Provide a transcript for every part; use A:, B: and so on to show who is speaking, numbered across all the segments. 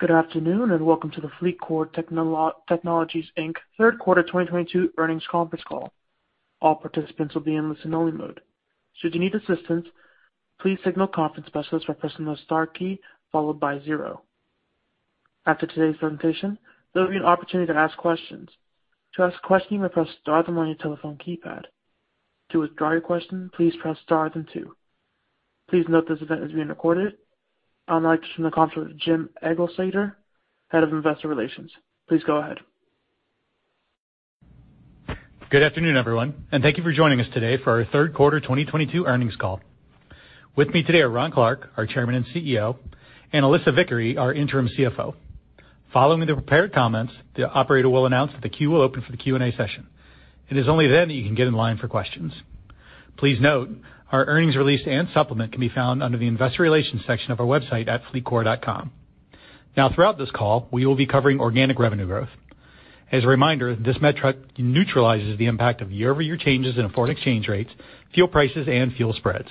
A: Good afternoon, and welcome to the FLEETCOR Technologies, Inc. third quarter 2022 earnings conference call. All participants will be in listen-only mode. Should you need assistance, please signal conference specialist by pressing the star key followed by zero. After today's presentation, there will be an opportunity to ask questions. To ask a question, you may press star then one on your telephone keypad. To withdraw your question, please press star then two. Please note this event is being recorded. I'll now turn the conference to Jim Eglseder, head of investor relations. Please go ahead.
B: Good afternoon, everyone, and thank you for joining us today for our third quarter 2022 earnings call. With me today are Ron Clarke, our Chairman and CEO, and Alissa Vickery, our Interim CFO. Following the prepared comments, the operator will announce that the queue will open for the Q&A session. It is only then that you can get in line for questions. Please note, our earnings release and supplement can be found under the Investor Relations section of our website at fleetcor.com. Now throughout this call, we will be covering organic revenue growth. As a reminder, this metric neutralizes the impact of year-over-year changes in foreign exchange rates, fuel prices, and fuel spreads.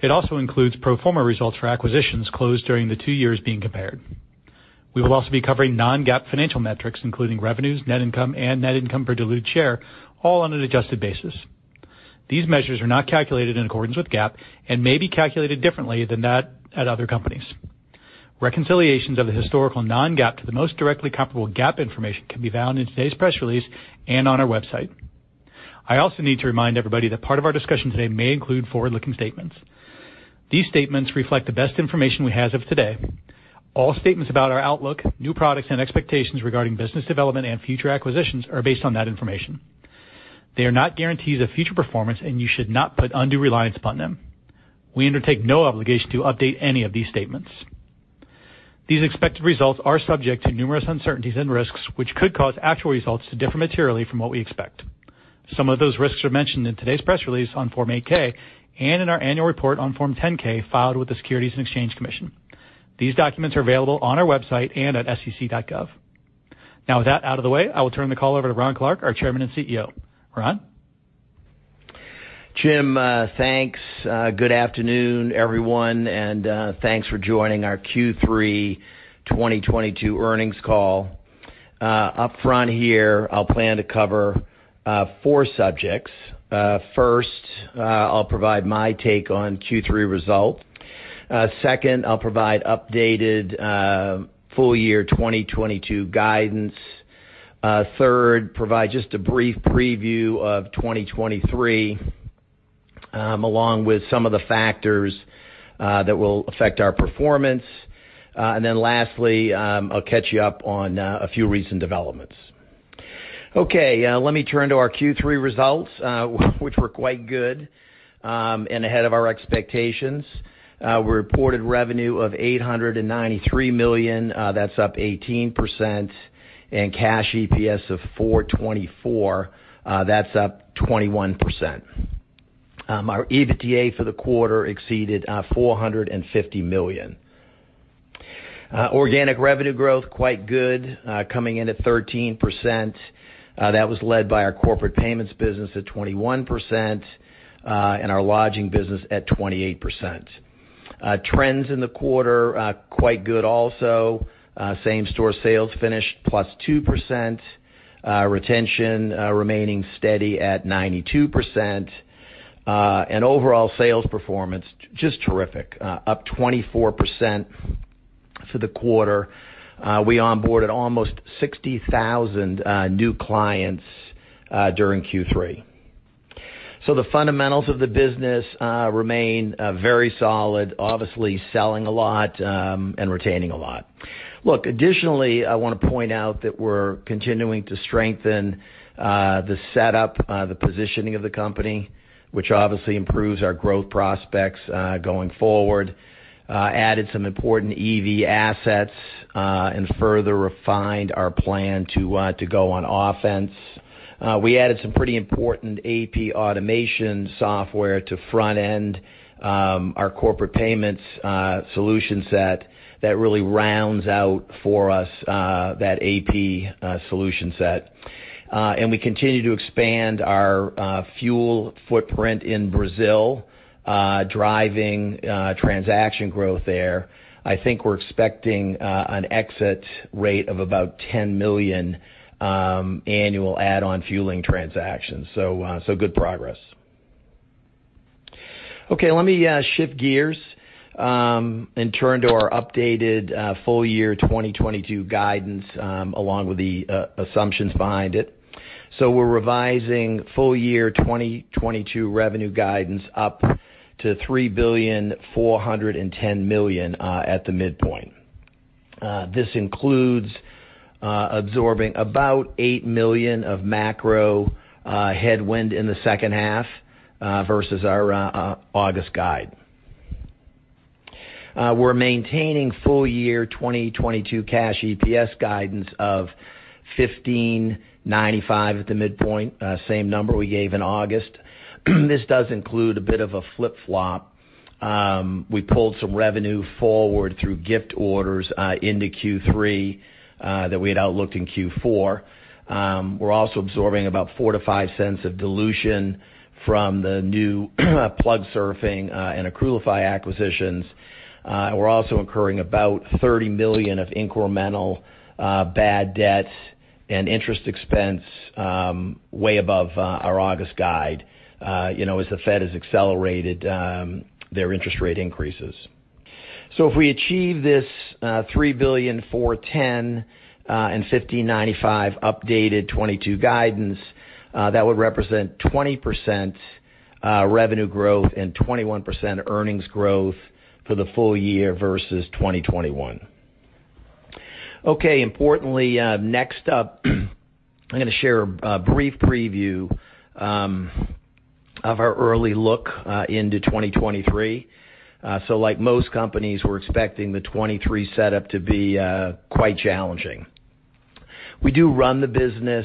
B: It also includes pro forma results for acquisitions closed during the two years being compared. We will also be covering non-GAAP financial metrics, including revenues, net income, and net income per diluted share, all on an adjusted basis. These measures are not calculated in accordance with GAAP and may be calculated differently than that at other companies. Reconciliations of the historical non-GAAP to the most directly comparable GAAP information can be found in today's press release and on our website. I also need to remind everybody that part of our discussion today may include forward-looking statements. These statements reflect the best information we have as of today. All statements about our outlook, new products, and expectations regarding business development and future acquisitions are based on that information. They are not guarantees of future performance, and you should not put undue reliance upon them. We undertake no obligation to update any of these statements. These expected results are subject to numerous uncertainties and risks, which could cause actual results to differ materially from what we expect. Some of those risks are mentioned in today's press release on Form 8-K and in our annual report on Form 10-K filed with the Securities and Exchange Commission. These documents are available on our website and at sec.gov. Now with that out of the way, I will turn the call over to Ron Clarke, our Chairman and CEO. Ron?
C: Jim, thanks. Good afternoon, everyone, and thanks for joining our Q3 2022 earnings call. Upfront here, I'll plan to cover four subjects. First, I'll provide my take on Q3 results. Second, I'll provide updated full year 2022 guidance. Third, provide just a brief preview of 2023, along with some of the factors that will affect our performance. Lastly, I'll catch you up on a few recent developments. Okay, let me turn to our Q3 results, which were quite good, and ahead of our expectations. We reported revenue of $893 million, that's up 18%, and cash EPS of $4.24, that's up 21%. Our EBITDA for the quarter exceeded $450 million. Organic revenue growth quite good, coming in at 13%. That was led by our corporate payments business at 21%, and our lodging business at 28%. Trends in the quarter quite good also. Same store sales finished +2%. Retention remaining steady at 92%. Overall sales performance just terrific, up 24% for the quarter. We onboarded almost 60,000 new clients during Q3. The fundamentals of the business remain very solid, obviously selling a lot and retaining a lot. Look, additionally, I wanna point out that we're continuing to strengthen the setup, the positioning of the company, which obviously improves our growth prospects going forward. Added some important EV assets and further refined our plan to go on offense. We added some pretty important AP automation software to front end our corporate payments solution set that really rounds out for us that AP solution set. We continue to expand our fuel footprint in Brazil driving transaction growth there. I think we're expecting an exit rate of about 10 million annual add-on fueling transactions. Good progress. Okay, let me shift gears and turn to our updated full-year 2022 guidance along with the assumptions behind it. We're revising full-year 2022 revenue guidance up to $3.41 billion at the midpoint. This includes absorbing about $8 million of macro headwind in the second half versus our August guide. We're maintaining full year 2022 cash EPS guidance of $15.95 at the midpoint, same number we gave in August. This does include a bit of a flip-flop. We pulled some revenue forward through gift orders into Q3 that we had outlooked in Q4. We're also absorbing about $0.04-$0.05 of dilution from the new Plugsurfing and Accrualify acquisitions. We're also incurring about $30 million of incremental bad debts and interest expense way above our August guide, you know, as the Fed has accelerated their interest rate increases. If we achieve this $3.410 billion and $15.95 updated 2022 guidance, that would represent 20% revenue growth and 21% earnings growth for the full year versus 2021. Okay, importantly, next up, I'm gonna share a brief preview of our early look into 2023. Like most companies, we're expecting the 2023 setup to be quite challenging. We do run the business,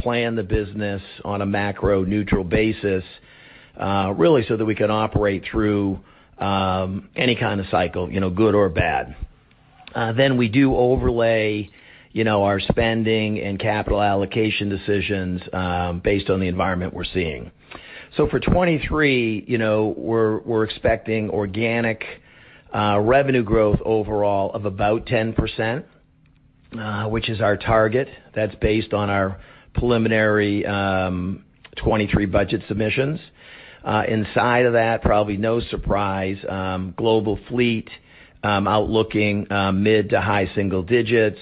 C: plan the business on a macro neutral basis, really so that we can operate through any kind of cycle, you know, good or bad. We do overlay, you know, our spending and capital allocation decisions based on the environment we're seeing. For 2023, you know, we're expecting organic revenue growth overall of about 10%, which is our target. That's based on our preliminary 2023 budget submissions. Inside of that, probably no surprise, global fleet outlook in mid- to high single-digits.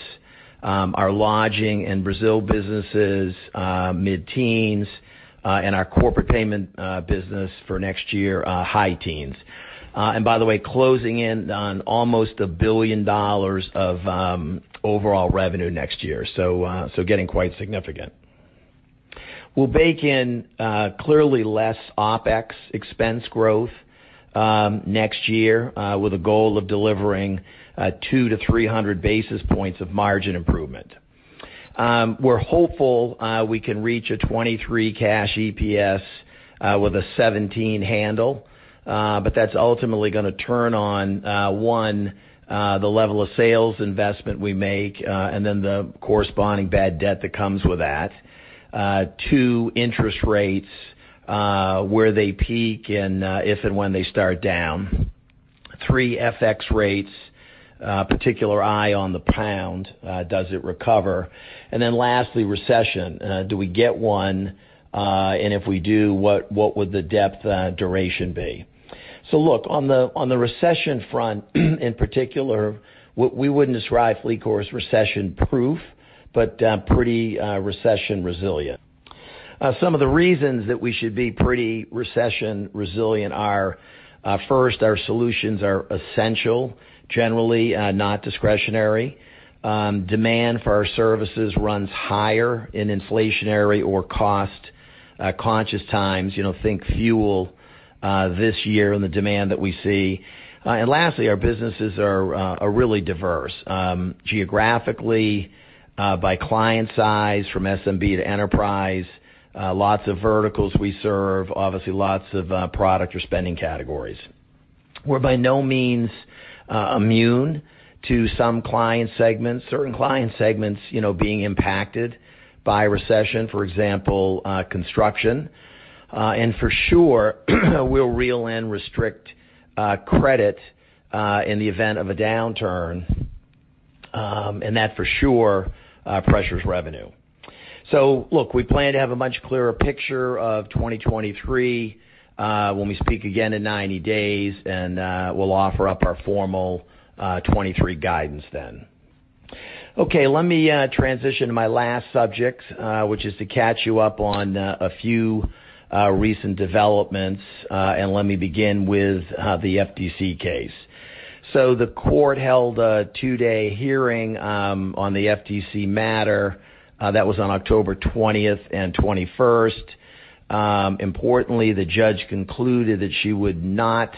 C: Our lodging and Brazil businesses, mid-teens, and our corporate payment business for next year, high teens. By the way, closing in on almost $1 billion of overall revenue next year, getting quite significant. We'll bake in clearly less OpEx expense growth next year with a goal of delivering 200-300 basis points of margin improvement. We're hopeful we can reach $23 cash EPS with a 17 handle, but that's ultimately gonna turn on one, the level of sales investment we make, and then the corresponding bad debt that comes with that. Two, interest rates where they peak and if and when they start down. Three, FX rates, particular eye on the pound, does it recover? Lastly, recession, do we get one? If we do, what would the depth, duration be? Look, on the recession front, in particular, we wouldn't describe FLEETCOR as recession-proof, but pretty recession-resilient. Some of the reasons that we should be pretty recession-resilient are first, our solutions are essential, generally, not discretionary. Demand for our services runs higher in inflationary or cost-conscious times, you know, think fuel this year and the demand that we see. Lastly, our businesses are really diverse geographically, by client size from SMB to enterprise, lots of verticals we serve, obviously lots of product or spending categories. We're by no means immune to some client segments, certain client segments, you know, being impacted by recession, for example, construction. For sure, we'll rein in, restrict credit in the event of a downturn, and that for sure pressures revenue. Look, we plan to have a much clearer picture of 2023 when we speak again in 90 days, and we'll offer up our formal 2023 guidance then. Okay, let me transition to my last subject, which is to catch you up on a few recent developments, and let me begin with the FTC case. The court held a 2-day hearing on the FTC matter that was on October 20th and 21st. Importantly, the judge concluded that she would not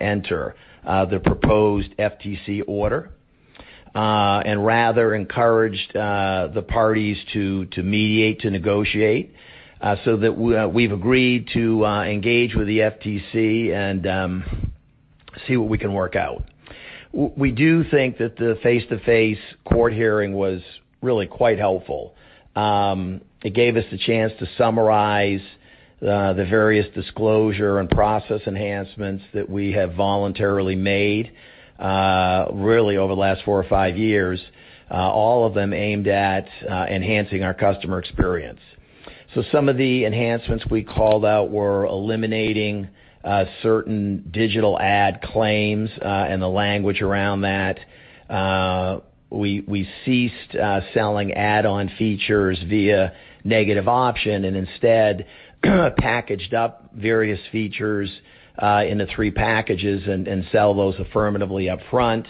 C: enter the proposed FTC order and rather encouraged the parties to mediate, to negotiate, so that we've agreed to engage with the FTC and see what we can work out. We do think that the face-to-face court hearing was really quite helpful. It gave us the chance to summarize the various disclosure and process enhancements that we have voluntarily made really over the last four or five years, all of them aimed at enhancing our customer experience. Some of the enhancements we called out were eliminating certain digital ad claims and the language around that. We ceased selling add-on features via negative option, and instead packaged up various features into three packages and sell those affirmatively up front.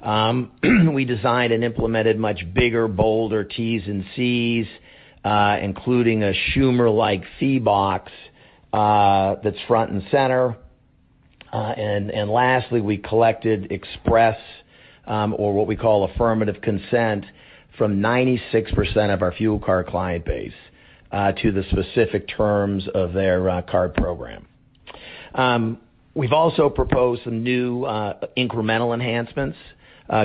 C: We designed and implemented much bigger, bolder T's and C's, including a Schumer-like fee box that's front and center. Lastly, we collected express, or what we call affirmative consent from 96% of our fuel card client base to the specific terms of their card program. We've also proposed some new incremental enhancements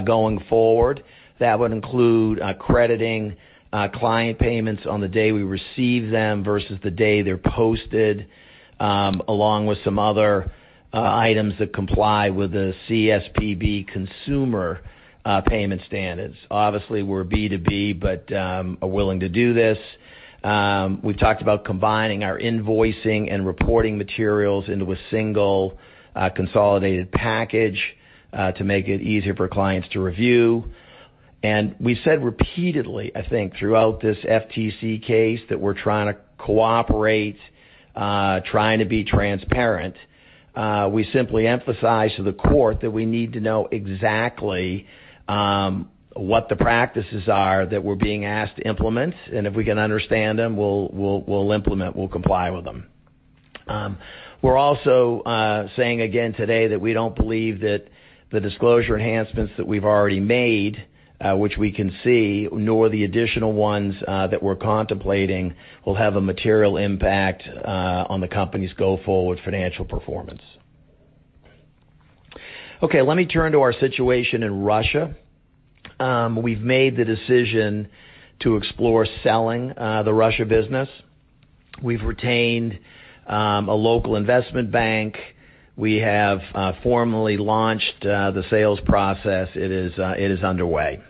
C: going forward that would include crediting client payments on the day we receive them versus the day they're posted, along with some other items that comply with the CFPB consumer payment standards. Obviously, we're B2B, but are willing to do this. We've talked about combining our invoicing and reporting materials into a single consolidated package to make it easier for clients to review. We said repeatedly, I think, throughout this FTC case that we're trying to cooperate, trying to be transparent. We simply emphasize to the court that we need to know exactly, what the practices are that we're being asked to implement, and if we can understand them, we'll implement, we'll comply with them. We're also saying again today that we don't believe that the disclosure enhancements that we've already made, which we can see, nor the additional ones, that we're contemplating will have a material impact, on the company's go-forward financial performance. Okay, let me turn to our situation in Russia. We've made the decision to explore selling, the Russia business. We've retained, a local investment bank. We have, formally launched, the sales process. It is underway.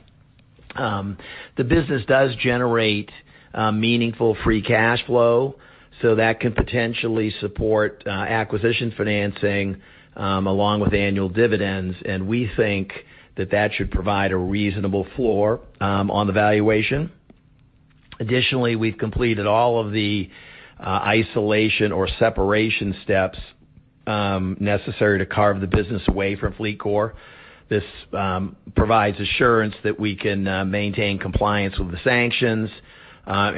C: The business does generate meaningful free cash flow, so that can potentially support acquisition financing along with annual dividends. We think that that should provide a reasonable floor on the valuation. Additionally, we've completed all of the isolation or separation steps necessary to carve the business away from FLEETCOR. This provides assurance that we can maintain compliance with the sanctions.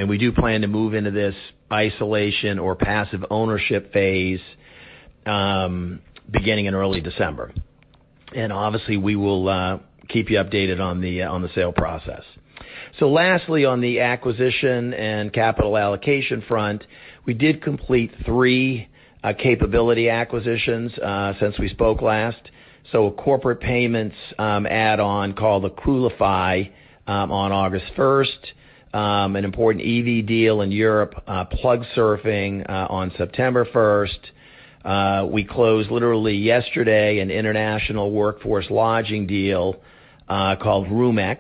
C: We do plan to move into this isolation or passive ownership phase beginning in early December. Obviously, we will keep you updated on the sale process. Lastly, on the acquisition and capital allocation front, we did complete three capability acquisitions since we spoke last. A corporate payments add-on called Accrualify on August 1. An important EV deal in Europe, Plugsurfing, on September first. We closed literally yesterday an international workforce lodging deal, called Roomex.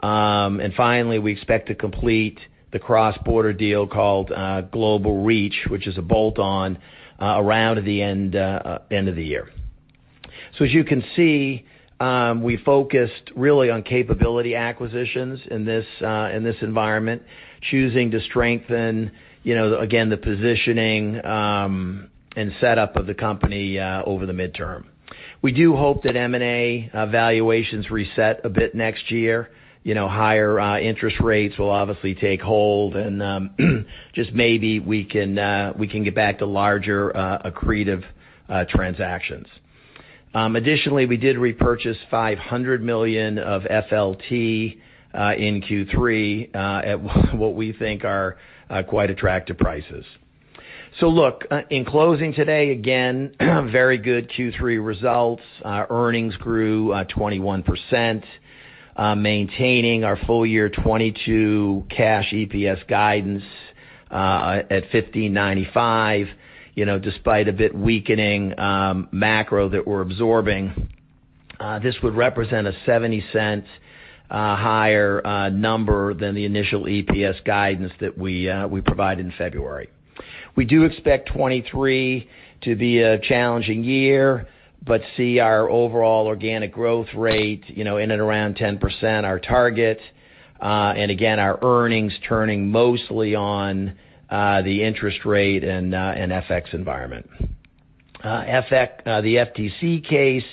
C: Finally, we expect to complete the cross-border deal called Global Reach, which is a bolt-on around the end of the year. As you can see, we focused really on capability acquisitions in this environment, choosing to strengthen, you know, again, the positioning and setup of the company over the midterm. We do hope that M&A valuations reset a bit next year. You know, higher interest rates will obviously take hold and, just maybe we can get back to larger, accretive transactions. Additionally, we did repurchase $500 million of FLT in Q3 at what we think are quite attractive prices. Look, in closing today, again, very good Q3 results. Our earnings grew 21%. Maintaining our full year 2022 cash EPS guidance at $15.95. You know, despite a bit weakening macro that we're absorbing, this would represent a $0.70 higher number than the initial EPS guidance that we provided in February. We do expect 2023 to be a challenging year, but see our overall organic growth rate, you know, in and around 10%, our target. Again, our earnings turning mostly on the interest rate and FX environment. FX, the FTC case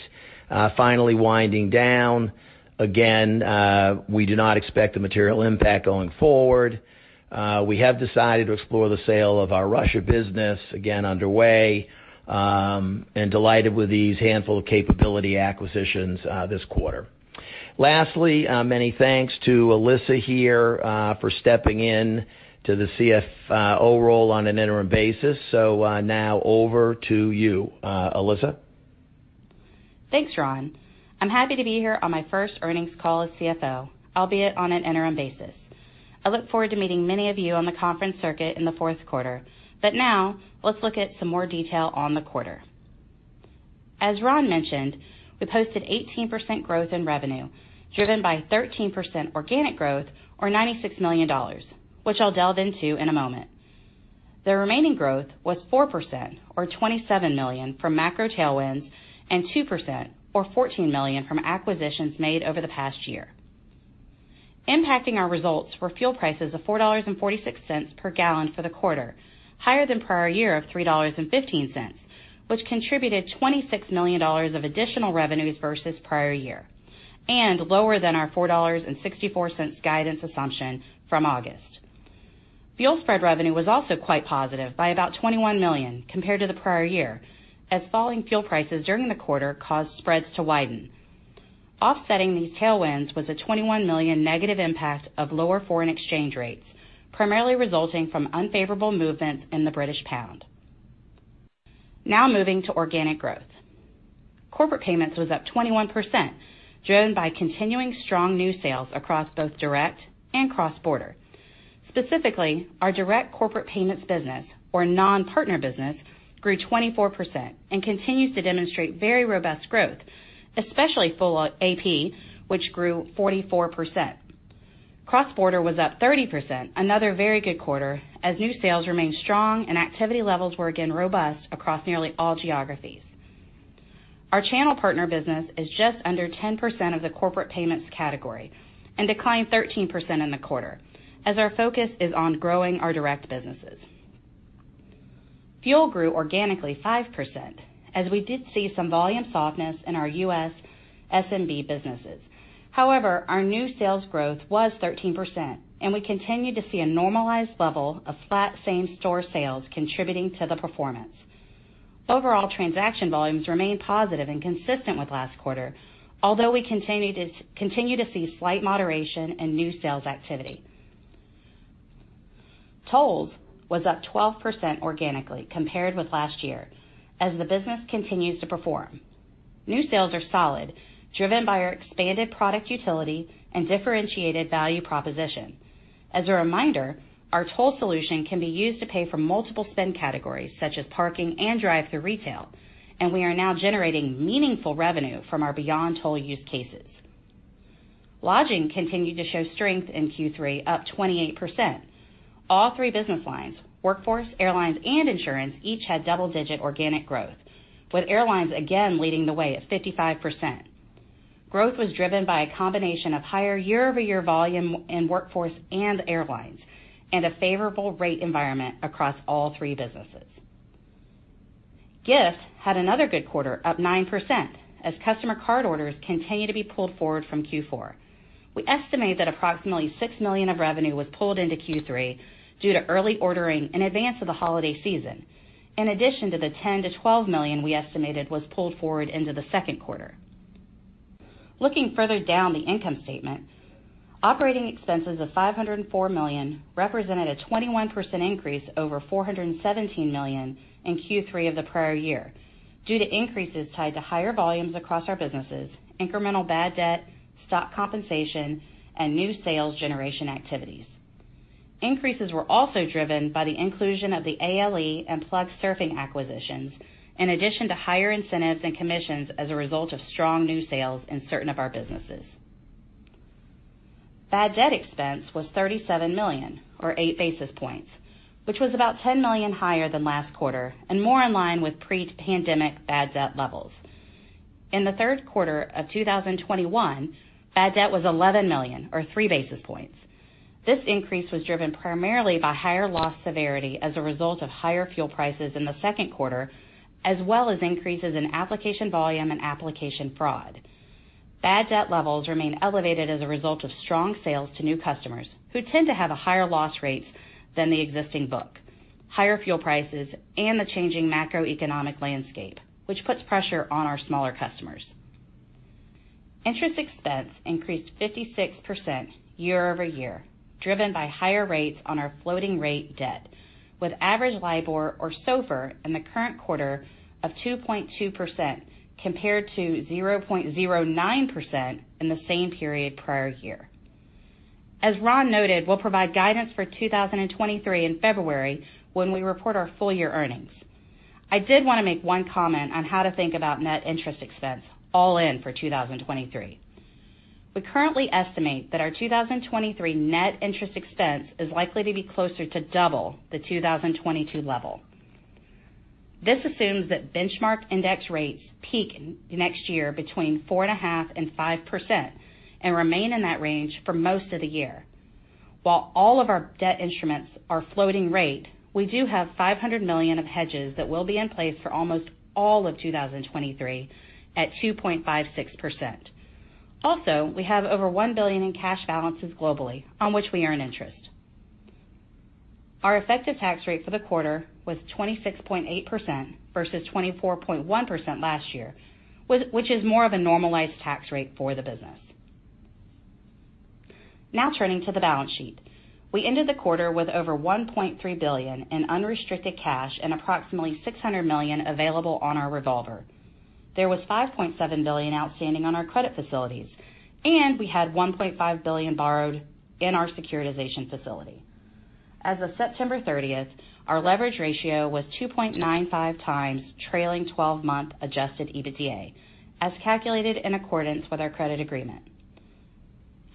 C: finally winding down. Again, we do not expect a material impact going forward. We have decided to explore the sale of our Russia business, again, underway. Delighted with these handful of capability acquisitions, this quarter. Lastly, many thanks to Alissa here, for stepping in to the CFO role on an interim basis. Now over to you, Alissa.
D: Thanks, Ron. I'm happy to be here on my first earnings call as CFO, albeit on an interim basis. I look forward to meeting many of you on the conference circuit in the fourth quarter. Now let's look at some more detail on the quarter. As Ron mentioned, we posted 18% growth in revenue, driven by 13% organic growth or $96 million, which I'll delve into in a moment. The remaining growth was 4% or $27 million from macro tailwinds and 2% or $14 million from acquisitions made over the past year. Impacting our results were fuel prices of $4.46 per gallon for the quarter, higher than prior year of $3.15, which contributed $26 million of additional revenues versus prior year, and lower than our $4.64 guidance assumption from August. Fuel spread revenue was also quite positive by about $21 million compared to the prior year, as falling fuel prices during the quarter caused spreads to widen. Offsetting these tailwinds was a $21 million negative impact of lower foreign exchange rates, primarily resulting from unfavorable movements in the British pound. Now moving to organic growth. Corporate payments was up 21%, driven by continuing strong new sales across both direct and cross-border. Specifically, our direct corporate payments business or non-partner business grew 24% and continues to demonstrate very robust growth, especially full AP, which grew 44%. Cross-border was up 30%, another very good quarter as new sales remained strong and activity levels were again robust across nearly all geographies. Our channel partner business is just under 10% of the corporate payments category and declined 13% in the quarter as our focus is on growing our direct businesses. Fuel grew organically 5% as we did see some volume softness in our U.S. SMB businesses. However, our new sales growth was 13%, and we continue to see a normalized level of flat same-store sales contributing to the performance. Overall, transaction volumes remained positive and consistent with last quarter, although we continue to see slight moderation in new sales activity. Tolls was up 12% organically compared with last year as the business continues to perform. New sales are solid, driven by our expanded product utility and differentiated value proposition. As a reminder, our toll solution can be used to pay for multiple spend categories such as parking and drive-thru retail, and we are now generating meaningful revenue from our beyond toll use cases. Lodging continued to show strength in Q3, up 28%. All three business lines, workforce, airlines and insurance each had double-digit organic growth, with airlines again leading the way at 55%. Growth was driven by a combination of higher year-over-year volume in workforce and airlines and a favorable rate environment across all three businesses. Gift had another good quarter, up 9% as customer card orders continue to be pulled forward from Q4. We estimate that approximately $6 million of revenue was pulled into Q3 due to early ordering in advance of the holiday season, in addition to the $10 million-$12 million we estimated was pulled forward into the second quarter. Looking further down the income statement. Operating expenses of $504 million represented a 21% increase over $417 million in Q3 of the prior year due to increases tied to higher volumes across our businesses, incremental bad debt, stock compensation and new sales generation activities. Increases were also driven by the inclusion of the ALE and Plugsurfing acquisitions, in addition to higher incentives and commissions as a result of strong new sales in certain of our businesses. Bad debt expense was $37 million, or 8 basis points, which was about $10 million higher than last quarter and more in line with pre-pandemic bad debt levels. In the third quarter of 2021, bad debt was $11 million or 3 basis points. This increase was driven primarily by higher loss severity as a result of higher fuel prices in the second quarter, as well as increases in application volume and application fraud. Bad debt levels remain elevated as a result of strong sales to new customers who tend to have a higher loss rate than the existing book, higher fuel prices and the changing macroeconomic landscape, which puts pressure on our smaller customers. Interest expense increased 56% year-over-year, driven by higher rates on our floating rate debt with average LIBOR or SOFR in the current quarter of 2.2% compared to 0.09% in the same period prior year. As Ron noted, we'll provide guidance for 2023 in February when we report our full year earnings. I did want to make one comment on how to think about net interest expense all in for 2023. We currently estimate that our 2023 net interest expense is likely to be closer to double the 2022 level. This assumes that benchmark index rates peak next year between 4.5% and 5% and remain in that range for most of the year. While all of our debt instruments are floating rate, we do have $500 million of hedges that will be in place for almost all of 2023 at 2.56%. Also, we have over $1 billion in cash balances globally on which we earn interest. Our effective tax rate for the quarter was 26.8% versus 24.1% last year, which is more of a normalized tax rate for the business. Now turning to the balance sheet. We ended the quarter with over $1.3 billion in unrestricted cash and approximately $600 million available on our revolver. There was $5.7 billion outstanding on our credit facilities, and we had $1.5 billion borrowed in our securitization facility. As of September thirtieth, our leverage ratio was 2.95x trailing twelve-month adjusted EBITDA, as calculated in accordance with our credit agreement.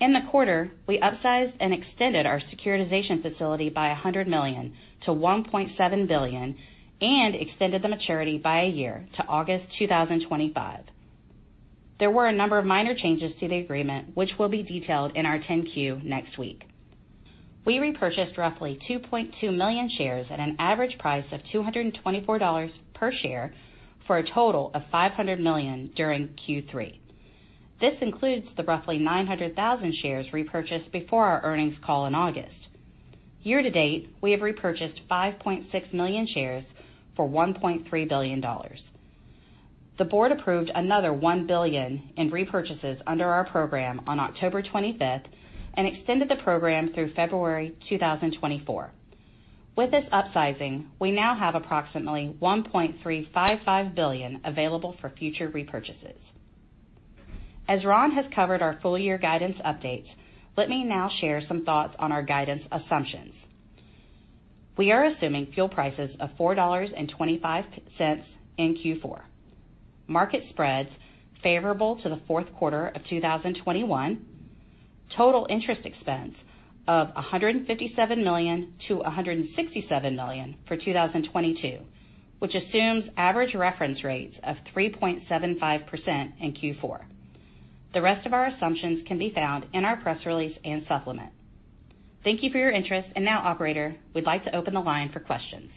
D: In the quarter, we upsized and extended our securitization facility by $100 million to $1.7 billion and extended the maturity by a year to August 2025. There were a number of minor changes to the agreement, which will be detailed in our 10-Q next week. We repurchased roughly 2.2 million shares at an average price of $224 per share for a total of $500 million during Q3. This includes the roughly 900,000 shares repurchased before our earnings call in August. Year-to-date, we have repurchased 5.6 million shares for $1.3 billion. The board approved another $1 billion in repurchases under our program on October 25 and extended the program through February 2024. With this upsizing, we now have approximately $1.355 billion available for future repurchases. As Ron has covered our full year guidance updates, let me now share some thoughts on our guidance assumptions. We are assuming fuel prices of $4.25 in Q4. Market spreads favorable to the fourth quarter of 2021. Total interest expense of $157 million-$167 million for 2022, which assumes average reference rates of 3.75% in Q4. The rest of our assumptions can be found in our press release and supplement. Thank you for your interest. Now, operator, we'd like to open the line for questions.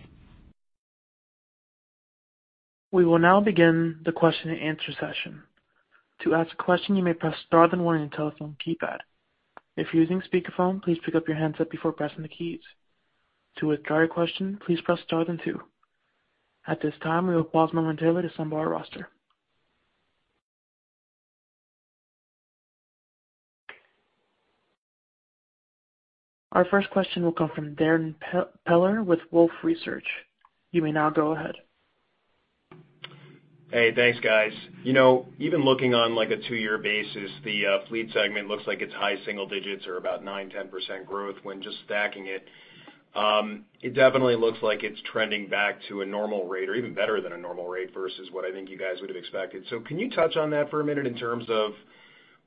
A: We will now begin the question and answer session. To ask a question, you may press star then one on your telephone keypad. If you're using speakerphone, please pick up your handset before pressing the keys. To withdraw your question, please press star then two. At this time, we will pause momentarily to assemble our roster. Our first question will come from Darrin Peller with Wolfe Research. You may now go ahead.
E: Hey, thanks, guys. You know, even looking on, like, a two-year basis, the fleet segment looks like it's high single-digits or about 9%-10% growth when just stacking it. It definitely looks like it's trending back to a normal rate or even better than a normal rate versus what I think you guys would have expected. Can you touch on that for a minute in terms of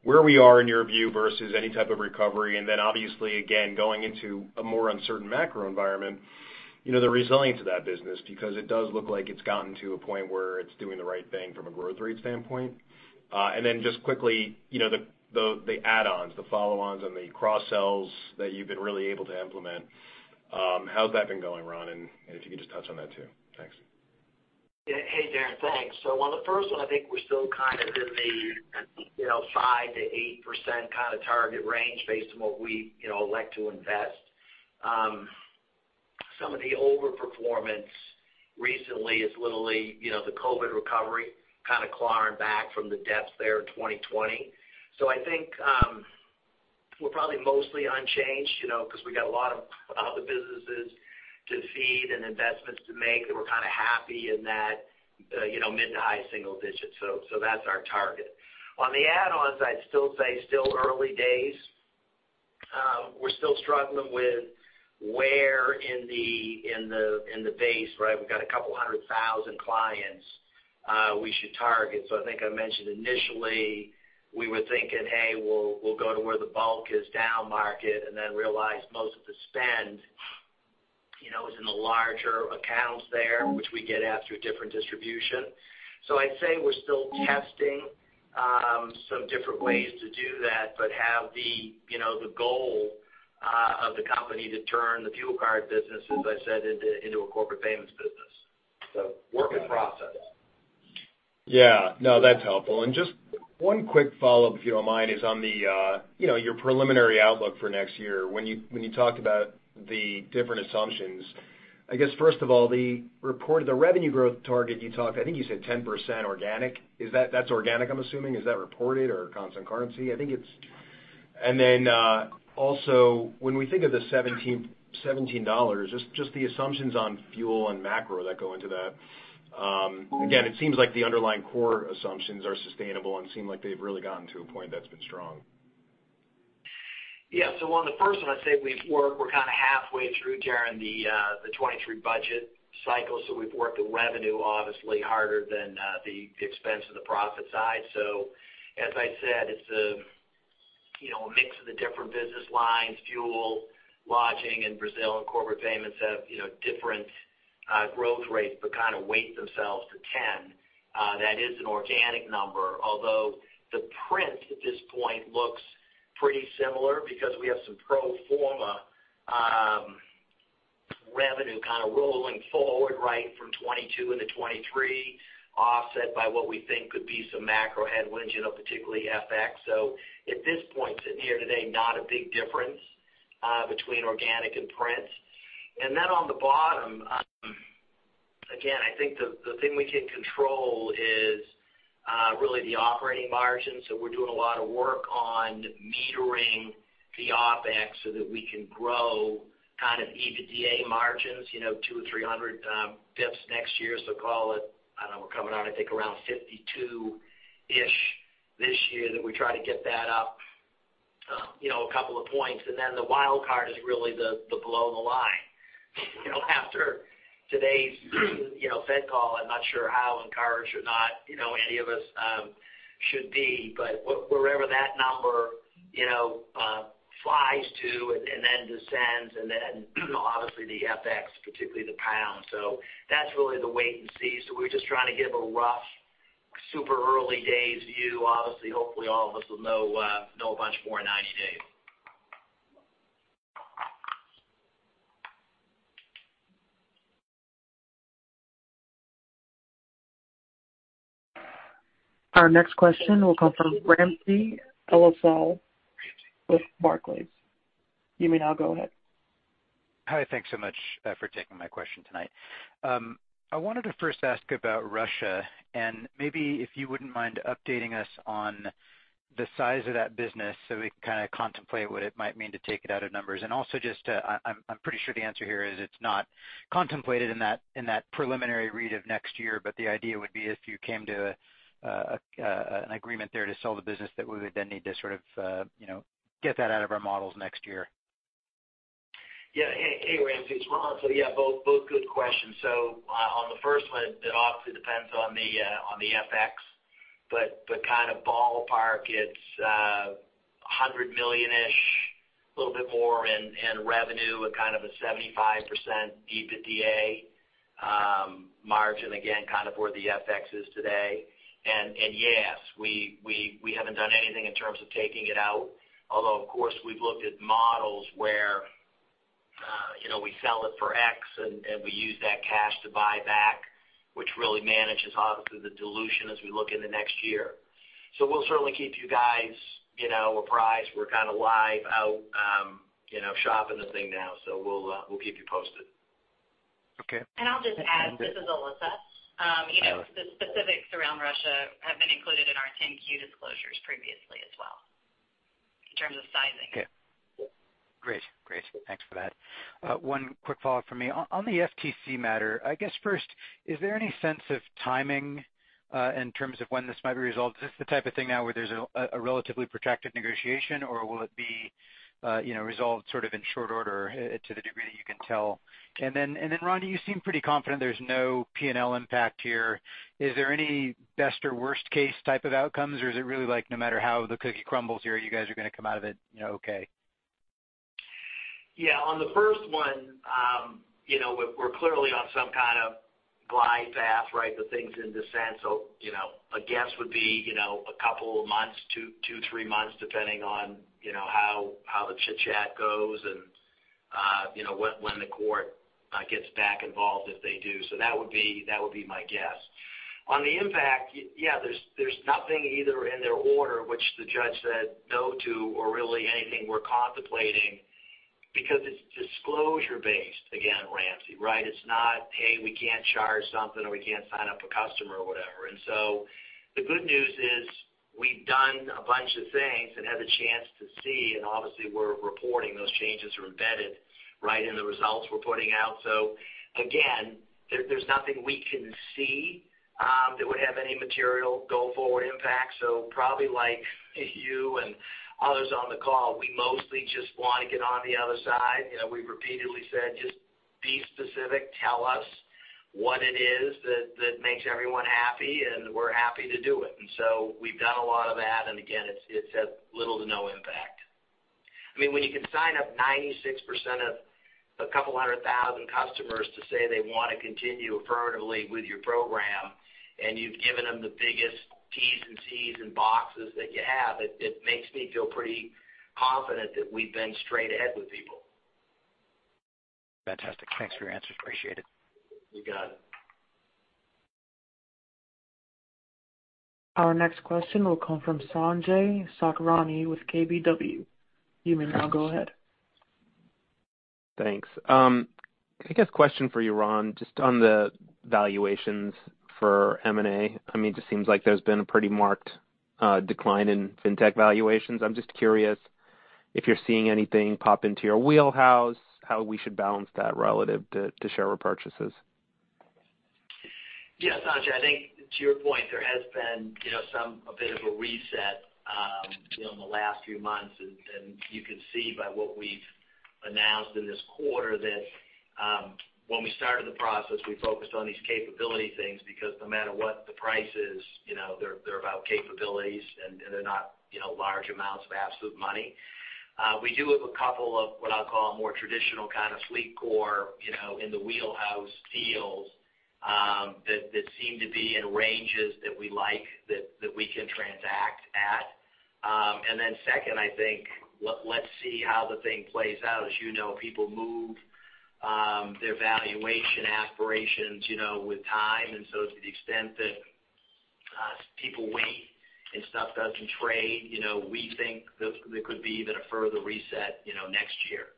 E: where we are in your view versus any type of recovery? Obviously, again, going into a more uncertain macro environment, you know, the resilience of that business because it does look like it's gotten to a point where it's doing the right thing from a growth rate standpoint Just quickly, you know, the add-ons, the follow-ons and the cross-sells that you've been really able to implement, how's that been going, Ron? If you could just touch on that too. Thanks.
C: Hey, Darren. Thanks. On the first one, I think we're still kind of in the, you know, 5%-8% kind of target range based on what we, you know, elect to invest. Some of the overperformance recently is literally, you know, the COVID recovery kind of clawing back from the depths there in 2020. I think, we're probably mostly unchanged, you know, 'cause we got a lot of other businesses to feed and investments to make, and we're kind of happy in that, you know, mid- to high single-digits. That's our target. On the add-ons, I'd still say early days. We're still struggling with where in the base, right? We've got a couple hundred thousand clients, we should target. I think I mentioned initially, we were thinking, "Hey, we'll go to where the bulk is down market," and then realized most of the spend, you know, is in the larger accounts there, which we get it through a different distribution. I'd say we're still testing some different ways to do that, but have the, you know, the goal of the company to turn the fuel card business, as I said, into a corporate payments business. Work in progress.
E: Yeah. No, that's helpful. Just one quick follow-up, if you don't mind, is on the, you know, your preliminary outlook for next year. When you talk about the different assumptions, I guess, first of all, the revenue growth target you talked, I think you said 10% organic. That's organic, I'm assuming. Is that reported or constant currency? I think it's also when we think of the $17, just the assumptions on fuel and macro that go into that, again, it seems like the underlying core assumptions are sustainable and seem like they've really gotten to a point that's been strong.
C: Yeah. On the first one, I'd say we're kind of halfway through, Darrin, the 2023 budget cycle, so we've worked the revenue obviously harder than the expense of the profit side. As I said, it's a, you know, a mix of the different business lines, fuel, lodging in Brazil, and corporate payments have, you know, different growth rates, but kind of weigh themselves to 10%. That is an organic number, although the print at this point looks pretty similar because we have some pro forma revenue kind of rolling forward, right, from 2022 into 2023, offset by what we think could be some macro headwinds, you know, particularly FX. At this point, sitting here today, not a big difference between organic and print. On the bottom, again, I think the thing we can control is really the operating margin. We're doing a lot of work on metering the OpEx so that we can grow kind of EBITDA margins, you know, 200 or 300 basis points next year. Call it, I don't know, we're coming out, I think, around 52-ish this year that we try to get that up, you know, a couple of points. The wild card is really the below the line. You know, after today's, you know, Fed call, I'm not sure how encouraged or not, you know, any of us should be. Wherever that number, you know, flies to and then descends and then obviously the FX, particularly the pound. That's really the wait and see. We're just trying to give a rough, super early days view. Obviously, hopefully, all of us will know a bunch more in 90 days.
A: Our next question will come from Ramsey El-Assal with Barclays. You may now go ahead.
F: Hi, thanks so much for taking my question tonight. I wanted to first ask about Russia, and maybe if you wouldn't mind updating us on the size of that business so we can kinda contemplate what it might mean to take it out of numbers. I'm pretty sure the answer here is it's not contemplated in that preliminary read of next year, but the idea would be if you came to an agreement there to sell the business that we would then need to sort of you know get that out of our models next year.
C: Hey, Ramsey. It's Ron. Yeah, both good questions. On the first one, it obviously depends on the FX, but kind of ballpark, it's $100 million-ish, little bit more in revenue at kind of a 75% EBITDA margin, again, kind of where the FX is today. Yes, we haven't done anything in terms of taking it out. Although, of course, we've looked at models where you know, we sell it for X and we use that cash to buy back, which really manages obviously the dilution as we look in the next year. We'll certainly keep you guys apprised. We're kinda live out you know, shopping the thing now. We'll keep you posted.
F: Okay.
D: I'll just add, this is Alissa. You know
F: Alissa.
D: The specifics around Russia have been included in our 10-Q disclosures previously as well in terms of sizing.
F: Okay. Great. Thanks for that. One quick follow-up from me. On the FTC matter, I guess first, is there any sense of timing in terms of when this might be resolved? Is this the type of thing now where there's a relatively protracted negotiation, or will it be, you know, resolved sort of in short order to the degree that you can tell? And then Ron, you seem pretty confident there's no P&L impact here. Is there any best or worst case type of outcomes, or is it really like, no matter how the cookie crumbles here, you guys are gonna come out of it, you know, okay?
C: Yeah. On the first one, you know, we're clearly on some kind of glide path, right? The thing's in descent. You know, a guess would be, you know, a couple of months, two, three months, depending on, you know, how the chitchat goes and, you know, when the court gets back involved, if they do. That would be my guess. On the impact, yeah, there's nothing either in their order which the judge said no to or really anything we're contemplating because it's disclosure based, again, Ramsey, right? It's not, hey, we can't charge something or we can't sign up a customer or whatever. The good news is we've done a bunch of things and had the chance to see, and obviously we're reporting those changes are embedded, right, in the results we're putting out. Again, there's nothing we can see that would have any material go-forward impact. Probably like you and others on the call, we mostly just wanna get on the other side. You know, we've repeatedly said, "Just be specific. Tell us what it is that makes everyone happy, and we're happy to do it." We've done a lot of that, and again, it's had little to no impact. I mean, when you can sign up 96% of a couple hundred thousand customers to say they wanna continue affirmatively with your program, and you've given them the biggest T&Cs in boxes that you have, it makes me feel pretty confident that we've been straight ahead with people.
F: Fantastic. Thanks for your answers. Appreciate it.
C: You got it.
A: Our next question will come from Sanjay Sakhrani with KBW. You may now go ahead.
G: Thanks. I guess question for you, Ron, just on the valuations for M&A. I mean, it just seems like there's been a pretty marked decline in fintech valuations. I'm just curious if you're seeing anything pop into your wheelhouse, how we should balance that relative to share repurchases.
C: Yeah, Sanjay, I think to your point, there has been, you know, some a bit of a reset, you know, in the last few months. You can see by what we've announced in this quarter that, when we started the process, we focused on these capability things because no matter what the price is, you know, they're about capabilities and they're not, you know, large amounts of absolute money. We do have a couple of what I'll call more traditional kind of sweet spot, you know, in the wheelhouse deals that seem to be in ranges that we like that we can transact at. Then second, I think let's see how the thing plays out. As you know, people move their valuation aspirations, you know, with time. To the extent that people wait and stuff doesn't trade, you know, we think there could be even a further reset, you know, next year,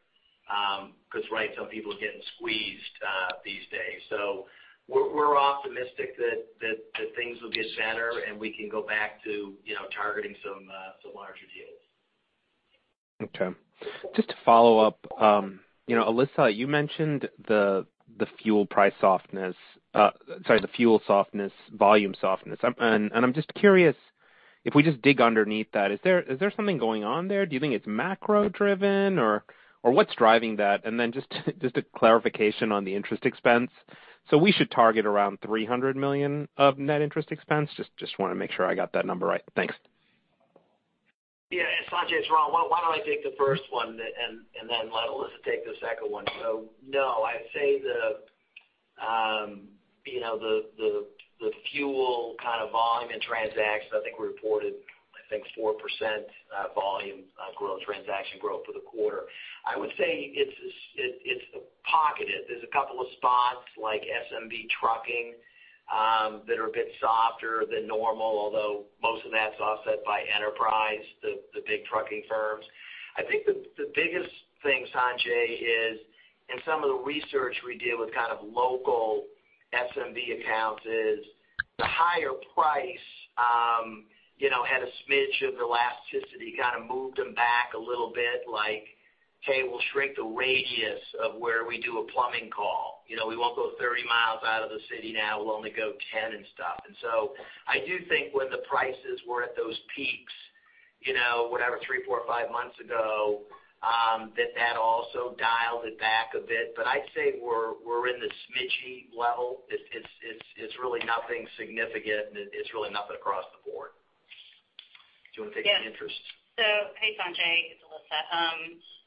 C: 'cause right, some people are getting squeezed these days. We're optimistic that things will get better, and we can go back to, you know, targeting some larger deals.
G: Okay. Just to follow up, you know, Alissa, you mentioned the fuel softness, volume softness. I'm just curious if we just dig underneath that, is there something going on there? Do you think it's macro driven, or what's driving that? Then just a clarification on the interest expense. So we should target around $300 million of net interest expense? Just wanna make sure I got that number right. Thanks.
C: Sanjay, it's Ron. Why don't I take the first one and then let Alissa take the second one? No, I'd say you know, the fuel kind of volume and transactions I think we reported. I think 4% volume growth, transaction growth for the quarter. I would say it's pocketed. There's a couple of spots like SMB trucking that are a bit softer than normal, although most of that's offset by enterprise, the big trucking firms. I think the biggest thing, Sanjay, is in some of the research we did with kind of local SMB accounts is the higher price had a smidge of elasticity, kind of moved them back a little bit like, "Okay, we'll shrink the radius of where we do a plumbing call. You know, we won't go 30 miles out of the city now, we'll only go 10 and stuff. I do think when the prices were at those peaks, you know, whatever, three, four, five months ago, that also dialed it back a bit. But I'd say we're in the smidgey level. It's really nothing significant, and it's really nothing across the board. Do you wanna take on interest?
D: Yeah. Hey, Sanjay, it's Alissa.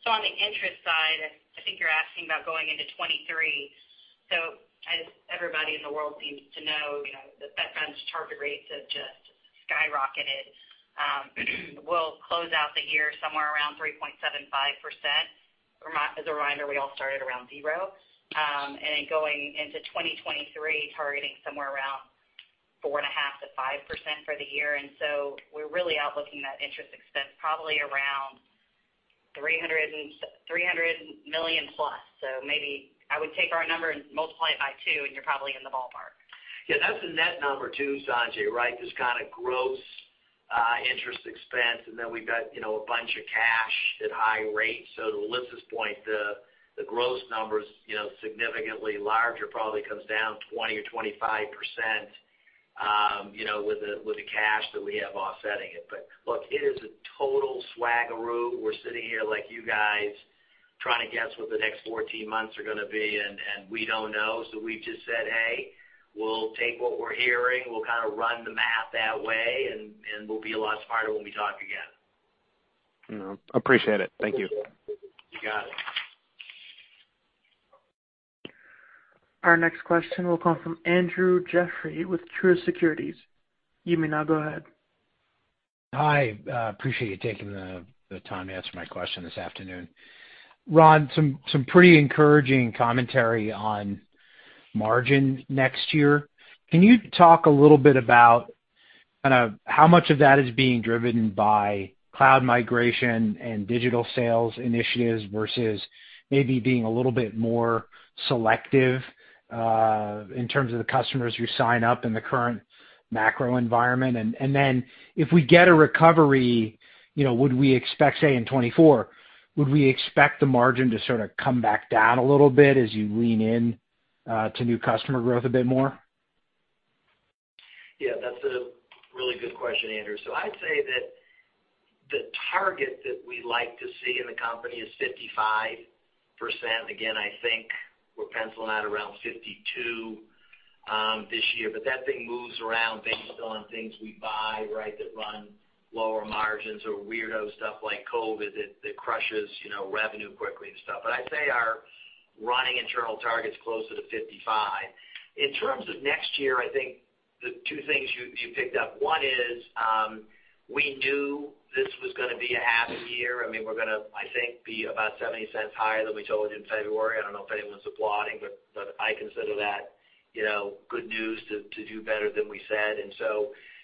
D: On the interest side, I think you're asking about going into 2023. As everybody in the world seems to know, you know, the Fed Funds target rates have just skyrocketed. We'll close out the year somewhere around 3.75%. As a reminder, we all started around 0%. Going into 2023, targeting somewhere around 4.5%-5% for the year. We're really looking at interest expense probably around $300 million plus. Maybe I would take our number and multiply it by two, and you're probably in the ballpark.
C: Yeah, that's a net number too, Sanjay, right? Just kinda gross interest expense. We've got, you know, a bunch of cash at high rates. To Alissa's point, the gross number's, you know, significantly larger, probably comes down 20 or 25%, you know, with the cash that we have offsetting it. Look, it is a total vagary. We're sitting here like you guys trying to guess what the next 14 months are gonna be, and we don't know. We just said, "Hey, we'll take what we're hearing, we'll kinda run the math that way, and we'll be a lot smarter when we talk again.
G: No, appreciate it. Thank you.
C: You got it.
A: Our next question will come from Andrew Jeffrey with Truist Securities. You may now go ahead.
H: Hi, appreciate you taking the time to answer my question this afternoon. Ron, some pretty encouraging commentary on margin next year. Can you talk a little bit about kind of how much of that is being driven by cloud migration and digital sales initiatives versus maybe being a little bit more selective in terms of the customers who sign up in the current macro environment? If we get a recovery, you know, would we expect, say in 2024, would we expect the margin to sort of come back down a little bit as you lean in to new customer growth a bit more?
C: Yeah, that's a really good question, Andrew. I'd say that the target that we like to see in the company is 55%. Again, I think we're penciling out around 52 this year, but that thing moves around based on things we buy, right? That run lower margins or weirdo stuff like COVID that crushes, you know, revenue quickly and stuff. I'd say our running internal target's closer to 55%. In terms of next year, I think the two things you picked up, one is, we knew this was gonna be a half year. I mean, we're gonna, I think, be about $0.70 higher than we told you in February. I don't know if anyone's applauding, but I consider that, you know, good news to do better than we said.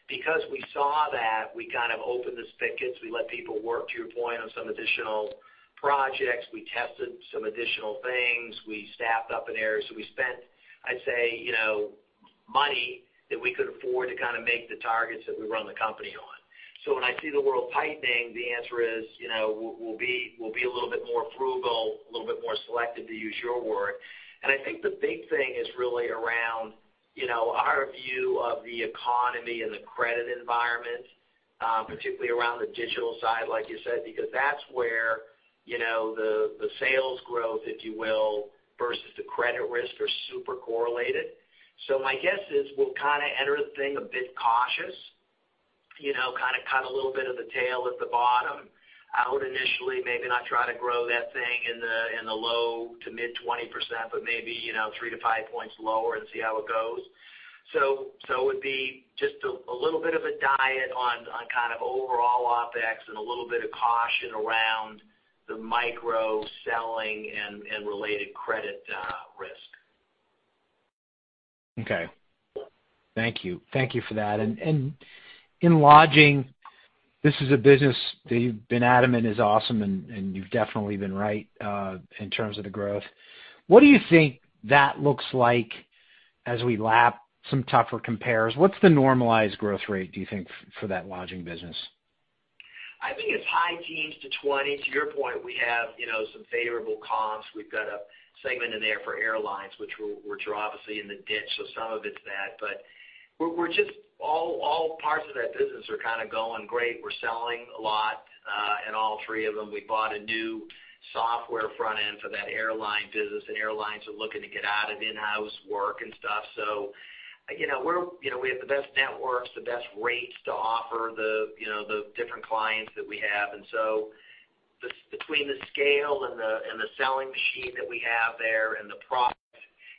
C: Because we saw that, we kind of opened the spigots, we let people work to your point on some additional projects. We tested some additional things. We staffed up in areas. We spent, I'd say, you know, money that we could afford to kinda make the targets that we run the company on. When I see the world tightening, the answer is, you know, we'll be a little bit more frugal, a little bit more selective, to use your word. I think the big thing is really around, you know, our view of the economy and the credit environment, particularly around the digital side, like you said, because that's where, you know, the sales growth, if you will, versus the credit risk are super correlated. My guess is we'll kinda enter the thing a bit cautious. You know, kinda cut a little bit of the tail at the bottom out initially. Maybe not try to grow that thing in the low- to mid-20%, but maybe, you know, three-five points lower and see how it goes. It would be just a little bit of a diet on kind of overall OpEx and a little bit of caution around the micro selling and related credit risk.
H: Okay. Thank you. Thank you for that. In lodging, this is a business that you've been adamant is awesome, and you've definitely been right in terms of the growth. What do you think that looks like as we lap some tougher compares? What's the normalized growth rate, do you think, for that lodging business?
C: I think it's high teens to 20s. To your point, we have, you know, some favorable comps. We've got a segment in there for airlines, which are obviously in the ditch, so some of it's that. We're just all parts of that business are kinda going great. We're selling a lot in all three of them. We bought a new software front end for that airline business, and airlines are looking to get out of in-house work and stuff. You know, we have the best networks, the best rates to offer the, you know, the different clients that we have. Between the scale and the selling machine that we have there.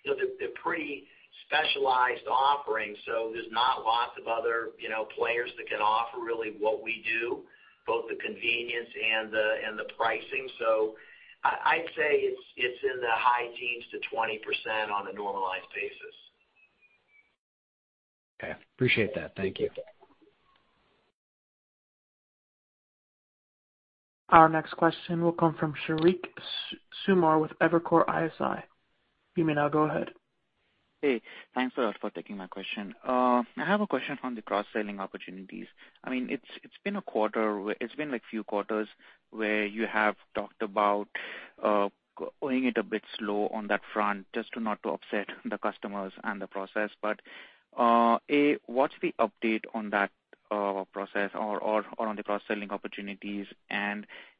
C: You know, they're pretty specialized offerings, so there's not lots of other, you know, players that can offer really what we do, both the convenience and the pricing. I'd say it's in the high teens to 20% on a normalized basis.
H: Okay. Appreciate that. Thank you.
A: Our next question will come from Sheriq Sumar with Evercore ISI. You may now go ahead.
I: Hey, thanks a lot for taking my question. I have a question on the cross-selling opportunities. I mean, it's been a few quarters where you have talked about going a bit slow on that front, just to not upset the customers and the process. What's the update on that process or on the cross-selling opportunities?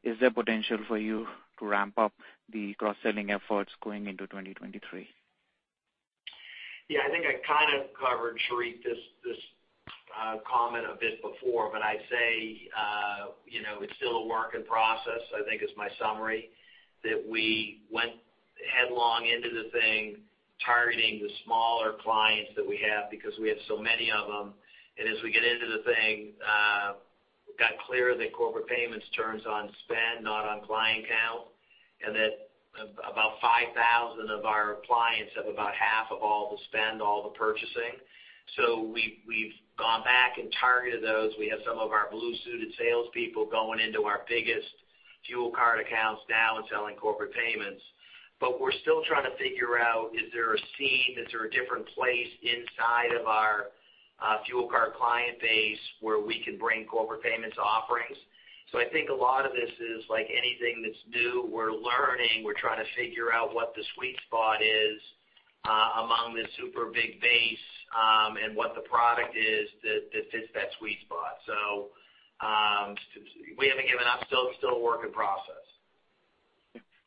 I: Is there potential for you to ramp up the cross-selling efforts going into 2023?
C: Yeah, I think I kind of covered, Sheriq, this comment a bit before, but I'd say, you know, it's still a work in progress. I think is my summary that we went headlong into the thing targeting the smaller clients that we have because we have so many of them. As we get into the thing, it got clear that corporate payments turns on spend, not on client count, and that about 5,000 of our clients have about half of all the spend, all the purchasing. We've gone back and targeted those. We have some of our blue-suited salespeople going into our biggest fuel card accounts now and selling corporate payments. We're still trying to figure out, is there a sense, is there a different place inside of our fuel card client base where we can bring corporate payments offerings? I think a lot of this is like anything that's new, we're learning, we're trying to figure out what the sweet spot is, among this super big base, and what the product is that fits that sweet spot. We haven't given up. Still a work in process.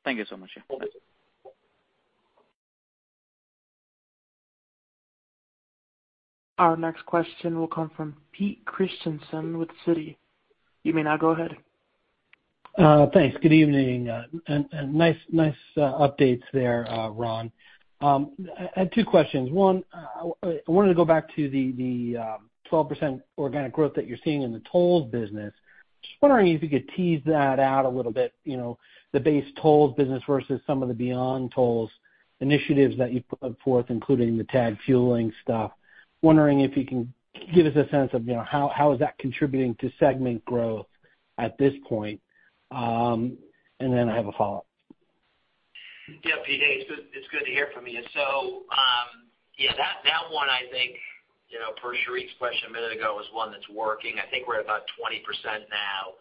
I: Thank you so much. Yeah.
C: Okay.
A: Our next question will come from Peter Christiansen with Citi. You may now go ahead.
J: Thanks. Good evening and nice updates there, Ron. I had two questions. One, I wanted to go back to the 12% organic growth that you're seeing in the tolls business. Just wondering if you could tease that out a little bit, you know, the base tolls business versus some of the beyond toll initiatives that you put forth, including the Tag Fueling stuff. Wondering if you can give us a sense of, you know, how is that contributing to segment growth at this point. I have a follow-up.
C: Yeah, Peter, hey, it's good to hear from you. Yeah, that one I think, you know, per Sheriq's question a minute ago, is one that's working. I think we're at about 20% now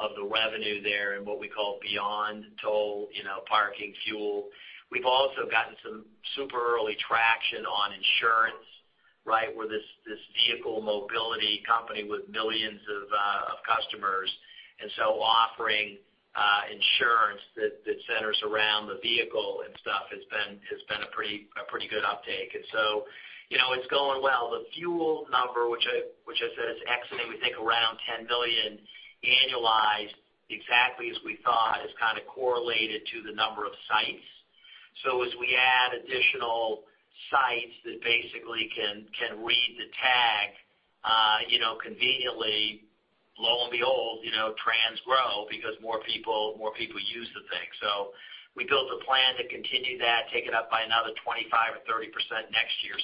C: of the revenue there in what we call beyond toll, you know, parking, fuel. We've also gotten some super early traction on insurance, right? We're this vehicle mobility company with millions of customers, and offering insurance that centers around the vehicle and stuff has been a pretty good uptake. You know, it's going well. The fuel number, which I said is exiting, we think, around $10 billion annualized, exactly as we thought, is kind of correlated to the number of sites. As we add additional sites that basically can read the tag, you know, conveniently, lo and behold, you know, transactions grow because more people use the thing. We built a plan to continue that, take it up by another 25% or 30% next year.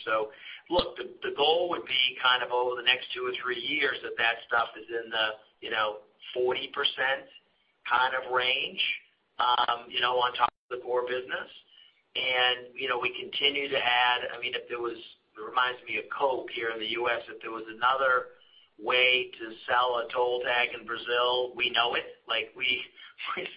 C: Look, the goal would be kind of over the next two or three years that that stuff is in the, you know, 40% kind of range, you know, on top of the core business. We continue to add. I mean, it reminds me of Coke here in the U.S., if there was another way to sell a toll tag in Brazil, we know it. Like, we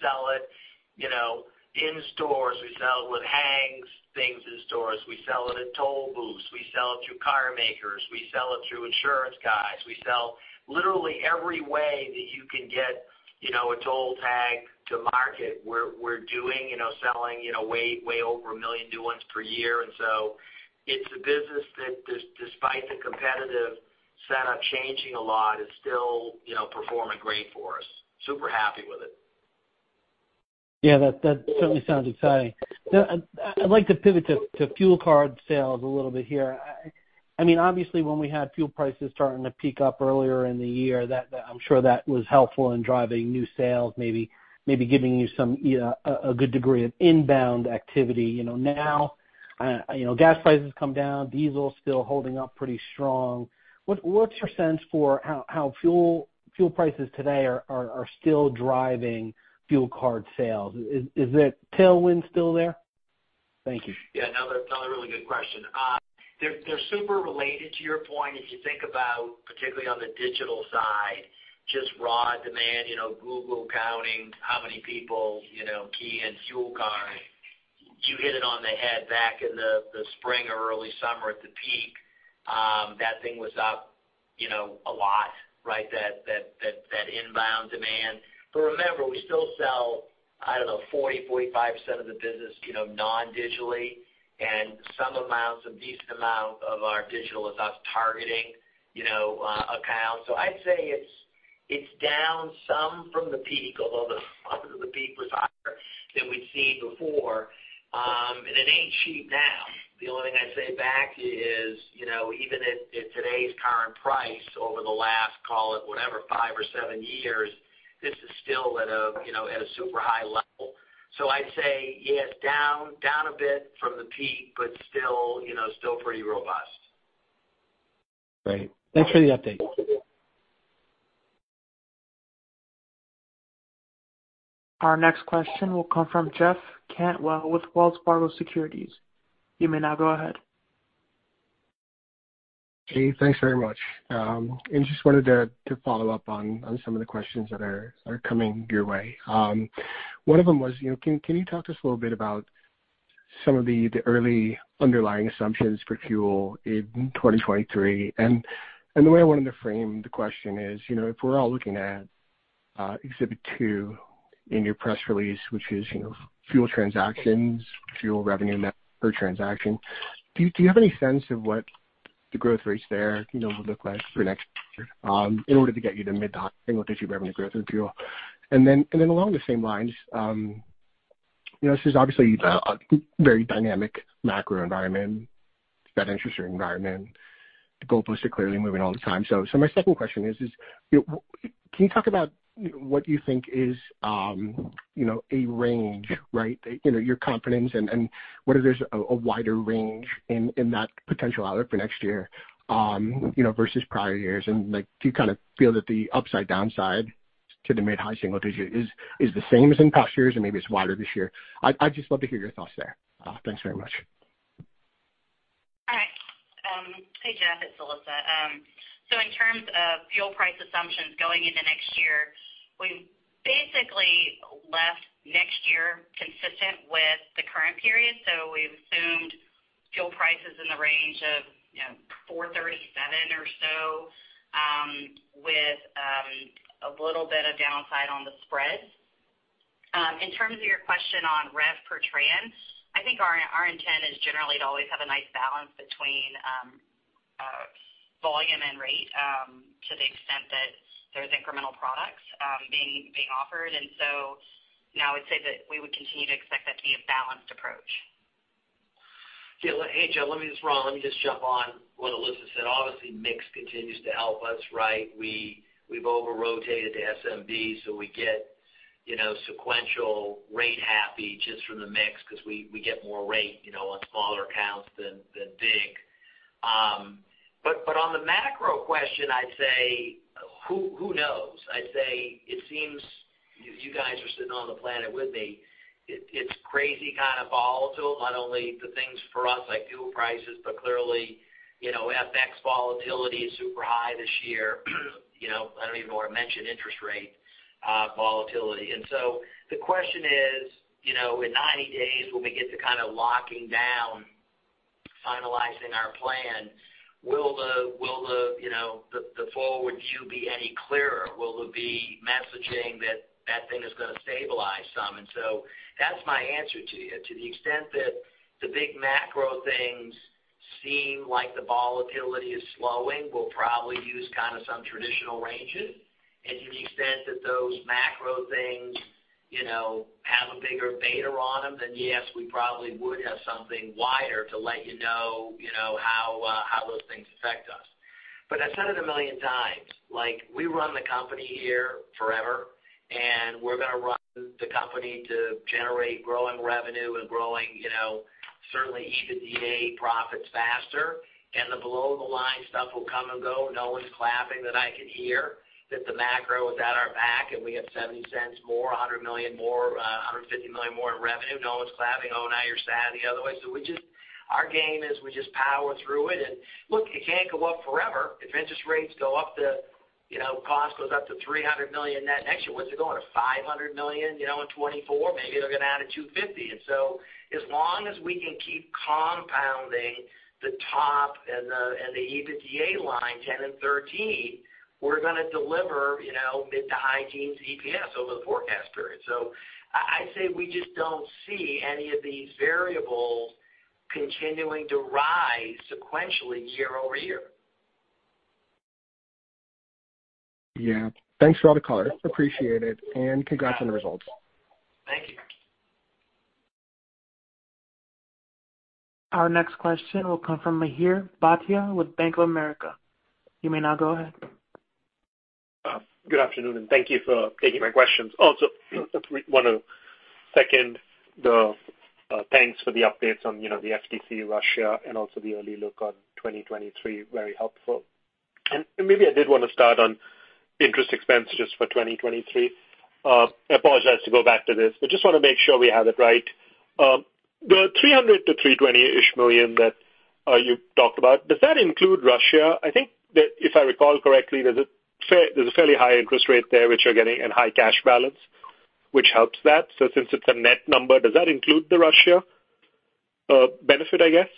C: sell it, you know, in stores, we sell it with hang tags in stores. We sell it at toll booths. We sell it through car makers. We sell it through insurance guys. We sell literally every way that you can get, you know, a toll tag to market. We're doing, you know, selling, you know, way over 1 million new ones per year. It's a business that despite the competitive setup changing a lot, is still, you know, performing great for us. Super happy with it.
J: Yeah, that certainly sounds exciting. Now, I'd like to pivot to fuel card sales a little bit here. I mean, obviously when we had fuel prices starting to peak up earlier in the year, that I'm sure that was helpful in driving new sales, maybe giving you some a good degree of inbound activity. You know, now, you know, gas prices come down, diesel still holding up pretty strong. What's your sense for how fuel prices today are still driving fuel card sales? Is that tailwind still there? Thank you.
C: Yeah. Another really good question. They're super related to your point, if you think about particularly on the digital side, just raw demand, you know, Google counting how many people, you know, key in fuel card. You hit it on the head back in the spring or early summer at the peak, that thing was up, you know, a lot, right? That inbound demand. Remember, we still sell, I don't know, 40-45% of the business, you know, non-digitally and some amounts, a decent amount of our digital is us targeting, you know, accounts. So I'd say it's down some from the peak, although the top of the peak was higher than we'd seen before. It ain't cheap now. The only thing I'd say back is, you know, even at today's current price over the last, call it whatever, five or seven years, this is still at a, you know, at a super high level. I'd say, yes, down a bit from the peak, but still, you know, still pretty robust.
J: Great. Thanks for the update.
A: Our next question will come from Jeff Cantwell with Wells Fargo Securities. You may now go ahead.
K: Hey, thanks very much. Just wanted to follow up on some of the questions that are coming your way. One of them was, you know, can you talk to us a little bit about some of the early underlying assumptions for fuel in 2023? The way I wanted to frame the question is, you know, if we're all looking at Exhibit 2 in your press release, which is, you know, fuel transactions, fuel revenue per transaction, do you have any sense of what the growth rates there, you know, will look like for next year, in order to get you to mid-high single digit revenue growth in fuel? Then along the same lines, you know, this is obviously a very dynamic macro environment, that interest rate environment. The goalposts are clearly moving all the time. My second question is, can you talk about what you think is, you know, a range, right? You know, your confidence and what if there's a wider range in that potential outlook for next year, you know, versus prior years. Like, do you kinda feel that the upside downside to the mid-high single digit is the same as in past years, or maybe it's wider this year? I'd just love to hear your thoughts there. Thanks very much.
D: All right. Hey, Jeff, it's Alissa. In terms of fuel price assumptions going into next year, we basically left next year consistent with the current period. We assumed fuel prices in the range of, you know, $4.37 or so, with a little bit of downside on the spreads. In terms of your question on rev per trans, I think our intent is generally to always have a nice balance between volume and rate, to the extent that there's incremental products being offered. You know, I would say that we would continue to expect that to be a balanced approach.
C: Yeah. Hey, Jeff. Let me just Ron, let me just jump on what Alissa said. Obviously, mix continues to help us, right? We've over-rotated to SMB, so we get, you know, sequential rate half each just from the mix 'cause we get more rate, you know, on smaller accounts than big. But on the macro question, I'd say, who knows? I'd say it seems you guys are sitting on the same planet with me. It's crazy kind of volatile, not only the things for us like fuel prices, but clearly, you know, FX volatility is super high this year. You know, I don't even wanna mention interest rate volatility. The question is, you know, in 90 days, when we get to kinda locking down, finalizing our plan, will the, you know, the forward view be any clearer? Will there be messaging that thing is gonna stabilize some? That's my answer to you. To the extent that the big macro things seem like the volatility is slowing, we'll probably use kinda some traditional ranges. To the extent that those macro things, you know, have a bigger beta on them, then yes, we probably would have something wider to let you know, you know, how those things affect us. I've said it a million times, like, we run the company here forever, and we're gonna run the company to generate growing revenue and growing, you know, certainly EBITDA profits faster. The below-the-line stuff will come and go. No one's clapping that I can hear that the macro is at our back and we have $0.70 more, $100 million more, $150 million more in revenue. No one's clapping, "Oh, now you're sad the other way." Our game is we just power through it. Look, it can't go up forever. If interest rates go up to, you know, cost goes up to $300 million net next year, what's it going to $500 million, you know, in 2024? Maybe they're gonna add a $250 million. As long as we can keep compounding the top and the EBITDA line 10% and 13%, we're gonna deliver, you know, mid-to high-teens EPS over the forecast period. I'd say we just don't see any of these variables continuing to rise sequentially year-over-year.
K: Yeah. Thanks for all the color. Appreciate it, and congrats on the results.
C: Thank you.
A: Our next question will come from Mihir Bhatia with Bank of America. You may now go ahead.
L: Good afternoon, and thank you for taking my questions. Also, just wanna second the thanks for the updates on, you know, the FTC, Russia and also the early look on 2023. Very helpful. Maybe I wanna start on interest expense just for 2023. I apologize to go back to this, but just wanna make sure we have it right. The $300 million-$320-ish million that you talked about, does that include Russia? I think that if I recall correctly, there's a fairly high interest rate there, which you're getting in high cash balance, which helps that. Since it's a net number, does that include the Russia benefit, I guess?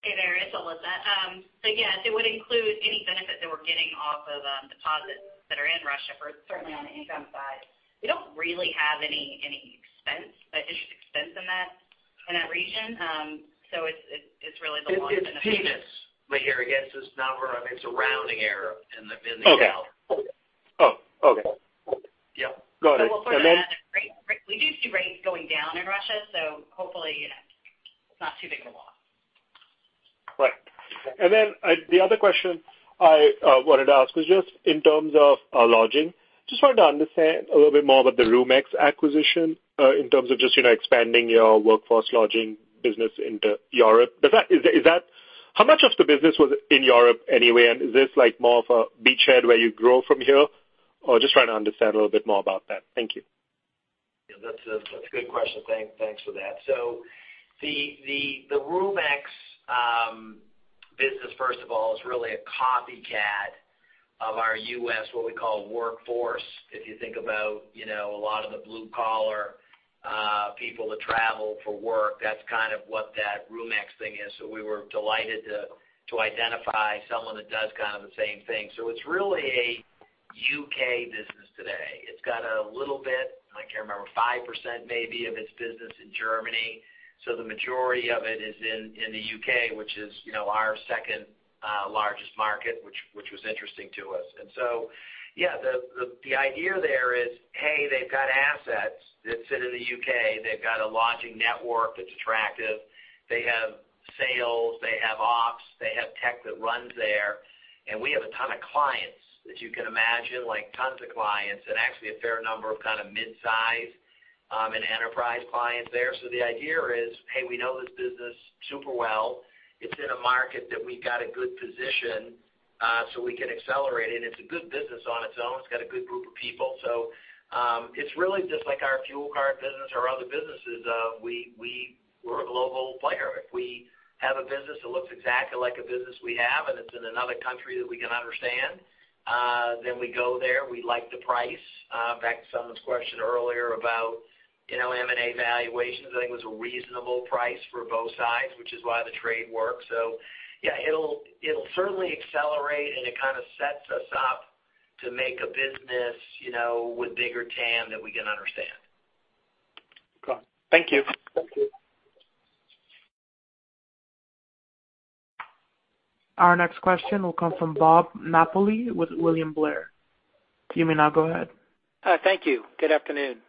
D: Hey there. It's Alissa. Yes, it would include any benefit that we're getting off of deposits in Russia, certainly on the income side. We don't really have any interest expense in that region. It's really the one-
C: It's peanuts, Mihir, I guess, this number. I mean, it's a rounding error in the.
L: Okay. Oh, okay.
C: Yeah.
L: Go ahead.
D: We do see rates going down in Russia, so hopefully it's not too big of a loss.
L: Right. The other question I wanted to ask was just in terms of lodging. Just wanted to understand a little bit more about the Roomex acquisition in terms of just, you know, expanding your workforce lodging business into Europe. How much of the business was in Europe anyway, and is this like more of a beachhead where you grow from here? Or just trying to understand a little bit more about that. Thank you.
C: Yeah, that's a good question. Thanks for that. The Roomex business, first of all, is really a copycat of our U.S., what we call workforce. If you think about, you know, a lot of the blue collar people that travel for work, that's kind of what that Roomex thing is. We were delighted to identify someone that does kind of the same thing. It's really a U.K. business today. It's got a little bit, I can't remember, 5% maybe of its business in Germany. The majority of it is in the U.K., which is, you know, our second largest market which was interesting to us. Yeah, the idea there is, hey, they've got assets that sit in the U.K. They've got a lodging network that's attractive. They have sales, they have ops, they have tech that runs there, and we have a ton of clients, as you can imagine, like, tons of clients, and actually a fair number of kind of mid-size and enterprise clients there. The idea is, hey, we know this business super well. It's in a market that we got a good position, so we can accelerate it. It's a good business on its own. It's got a good group of people. It's really just like our fuel card business or other businesses. We're a global player. If we have a business that looks exactly like a business we have, and it's in another country that we can understand, then we go there. We like the price. Back to someone's question earlier about, you know, M&A valuations. I think it was a reasonable price for both sides, which is why the trade works. Yeah, it'll certainly accelerate, and it kinda sets us up to make a business, you know, with bigger TAM that we can understand.
L: Got it. Thank you.
C: Thank you.
A: Our next question will come from Bob Napoli with William Blair. You may now go ahead.
M: Thank you. Good afternoon.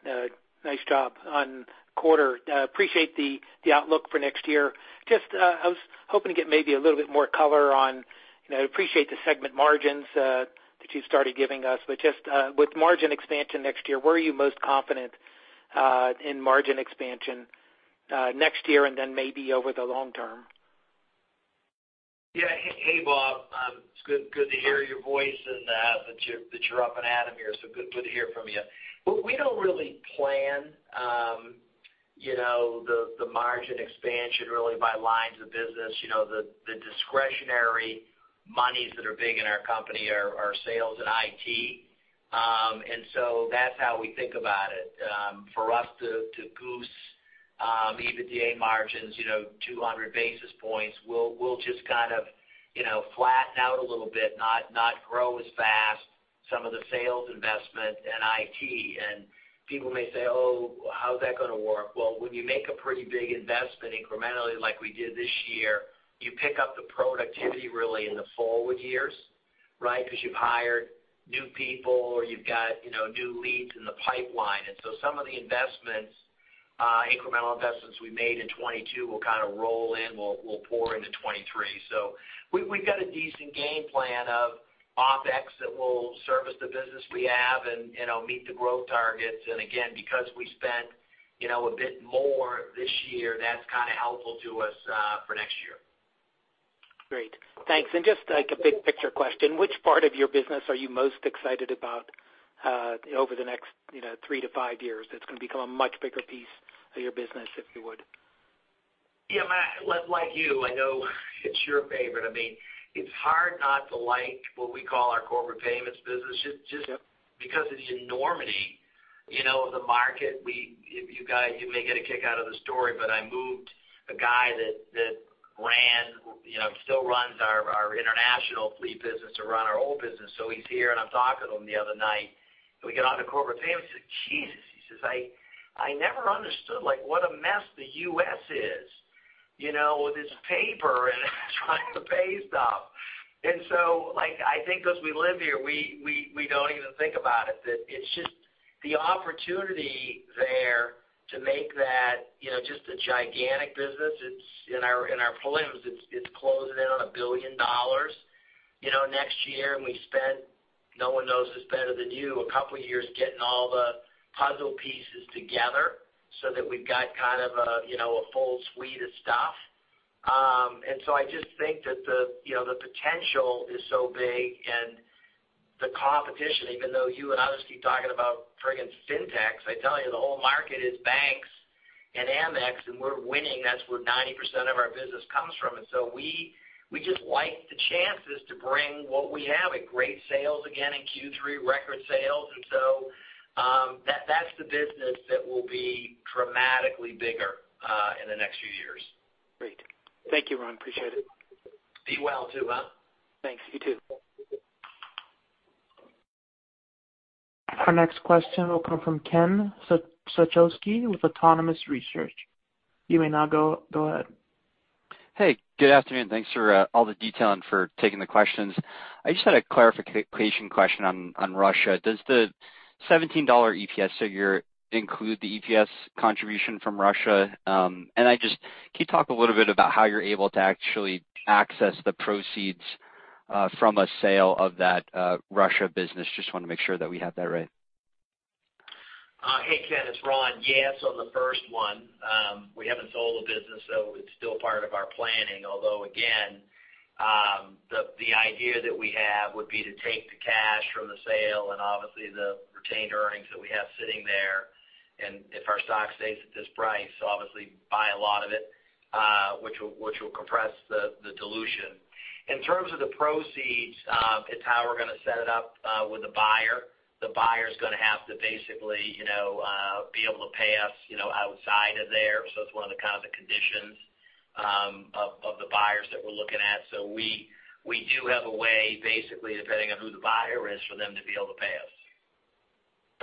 M: Nice job on quarter. Appreciate the outlook for next year. Just, I was hoping to get maybe a little bit more color on, you know, appreciate the segment margins that you started giving us. Just, with margin expansion next year, where are you most confident in margin expansion next year and then maybe over the long-term?
C: Hey, Bob. It's good to hear your voice and that you're up and at 'em here, so good to hear from you. We don't really plan, you know, the margin expansion really by lines of business. You know, the discretionary monies that are big in our company are sales and IT. And so that's how we think about it. For us to goose EBITDA margins, you know, 200 basis points, we'll just kind of, you know, flatten out a little bit, not grow as fast some of the sales investment and IT. People may say, "Oh, how's that gonna work?" Well, when you make a pretty big investment incrementally like we did this year, you pick up the productivity really in the forward years, right? Because you've hired new people or you've got, you know, new leads in the pipeline. Some of the investments, incremental investments we made in 2022 will kinda roll in, will pour into 2023. We've got a decent game plan of OpEx that will service the business we have and, you know, meet the growth targets. Again, because we spent, you know, a bit more this year, that's kinda helpful to us, for next year.
M: Great. Thanks. Just like a big picture question. Which part of your business are you most excited about, over the next, you know, three-five years, that's gonna become a much bigger piece of your business, if you would?
C: Yeah. Like you, I know it's your favorite. I mean, it's hard not to like what we call our corporate payments business just because of the enormity, you know, the market. You may get a kick out of the story, but I moved a guy that ran, you know, still runs our international fleet business to run our old business. He's here, and I'm talking to him the other night. We get on to corporate payments. He says, "Jesus," he says, "I never understood, like, what a mess the U.S. is, you know, with its paper and trying to pay stuff." Like, I think 'cause we live here, we don't even think about it, that it's just the opportunity there to make that, you know, just a gigantic business. It's in our prelims. It's closing in on $1 billion, you know, next year. We spent, no one knows this better than you, a couple of years getting all the puzzle pieces together so that we've got kind of a, you know, a full suite of stuff. I just think that the, you know, the potential is so big and the competition, even though you and others keep talking about frigging Fintechs, I tell you, the whole market is banks and Amex, and we're winning. That's where 90% of our business comes from. We just like the chances to bring what we have, a great sales again in Q3, record sales will be dramatically bigger in the next few years.
M: Great. Thank you, Ron. Appreciate it.
C: Be well too, huh?
M: Thanks. You too.
A: Our next question will come from Ken Suchoski with Autonomous Research. You may now go ahead.
N: Hey, good afternoon. Thanks for all the detail and for taking the questions. I just had a clarification question on Russia. Does the $17 EPS figure include the EPS contribution from Russia? Can you talk a little bit about how you're able to actually access the proceeds from a sale of that Russia business? Just wanna make sure that we have that right.
C: Hey, Ken, it's Ron. Yes, on the first one, we haven't sold the business, so it's still part of our planning. Although, again, the idea that we have would be to take the cash from the sale and obviously the retained earnings that we have sitting there. If our stock stays at this price, obviously buy a lot of it, which will compress the dilution. In terms of the proceeds, it's how we're gonna set it up with the buyer. The buyer's gonna have to basically, you know, be able to pay us, you know, outside of there. It's one of the kind of conditions of the buyers that we're looking at. We do have a way, basically, depending on who the buyer is, for them to be able to pay us.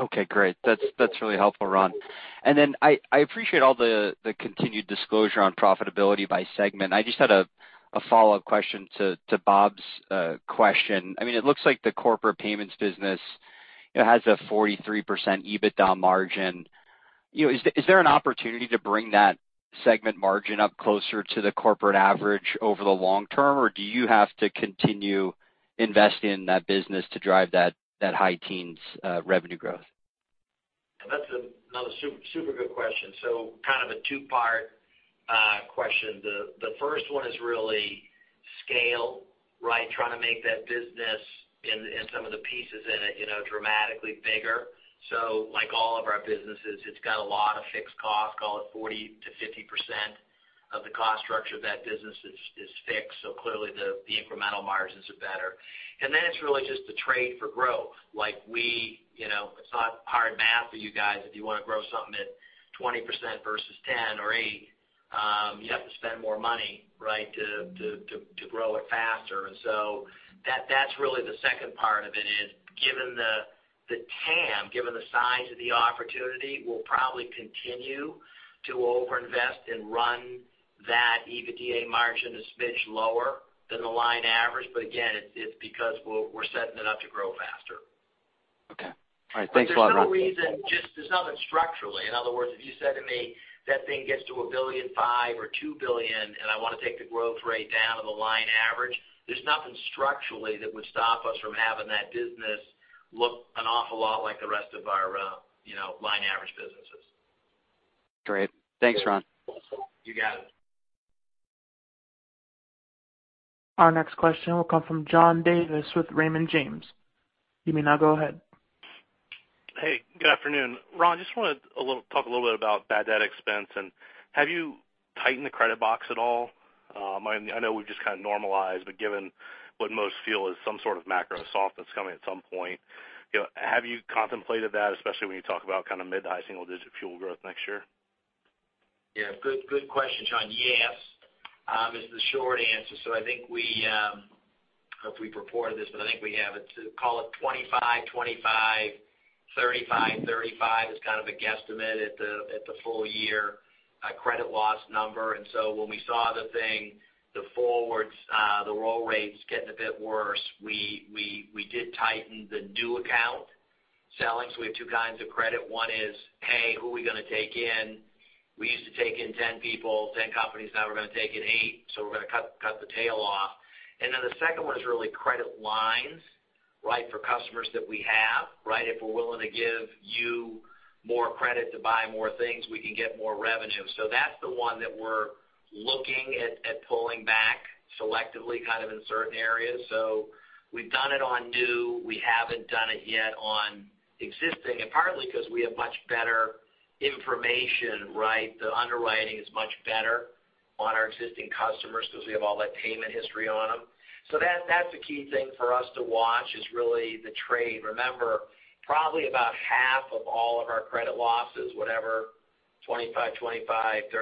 N: Okay, great. That's really helpful, Ron. I appreciate all the continued disclosure on profitability by segment. I just had a follow-up question to Bob's question. I mean, it looks like the corporate payments business, it has a 43% EBITDA margin. You know, is there an opportunity to bring that segment margin up closer to the corporate average over the long-term? Or do you have to continue investing in that business to drive that high teens revenue growth?
C: That's another super good question. Kind of a two-part question. The first one is really scale, right? Trying to make that business and some of the pieces in it, you know, dramatically bigger. Like all of our businesses, it's got a lot of fixed costs, call it 40%-50% of the cost structure of that business is fixed. Clearly the incremental margins are better. It's really just the trade for growth. Like we, you know, it's not hard math for you guys. If you wanna grow something at 20% versus 10% or 8%, you have to spend more money, right, to grow it faster. That's really the second part of it, is given the TAM, given the size of the opportunity, we'll probably continue to over-invest and run that EBITDA margin a smidge lower than the line average. But again, it's because we're setting it up to grow faster.
N: Okay. All right. Thanks a lot, Ron.
C: There's no reason, just there's nothing structurally. In other words, if you said to me that thing gets to $1.5 billion or $2 billion and I wanna take the growth rate down to the line average, there's nothing structurally that would stop us from having that business look an awful lot like the rest of our, you know, line average businesses.
N: Great. Thanks, Ron.
C: You got it.
A: Our next question will come from John Davis with Raymond James. You may now go ahead.
O: Hey, good afternoon. Ron, just wanted to talk a little bit about bad debt expense. Have you tightened the credit box at all? I know we've just kind of normalized, but given what most feel is some sort of macro softness coming at some point, you know, have you contemplated that, especially when you talk about kind of mid-high single digit fuel growth next year?
C: Yeah. Good question, John. Yes is the short answer. I think I don't know if we reported this, but I think we have it to call it 25-35 is kind of a guesstimate at the full year credit loss number. When we saw that the forward roll rates getting a bit worse, we did tighten the new account selection. We have two kinds of credit. One is, hey, who are we gonna take in? We used to take in 10 companies, now we're gonna take in 8, so we're gonna cut the tail off. The second one is really credit lines, right, for customers that we have, right? If we're willing to give you more credit to buy more things, we can get more revenue. That's the one that we're looking at pulling back selectively, kind of in certain areas. We've done it on new, we haven't done it yet on existing. Partly 'cause we have much better information, right? The underwriting is much better on our existing customers because we have all that payment history on them. That, that's a key thing for us to watch, is really the rate. Remember, probably about half of all of our credit losses, whatever, $25 million, $35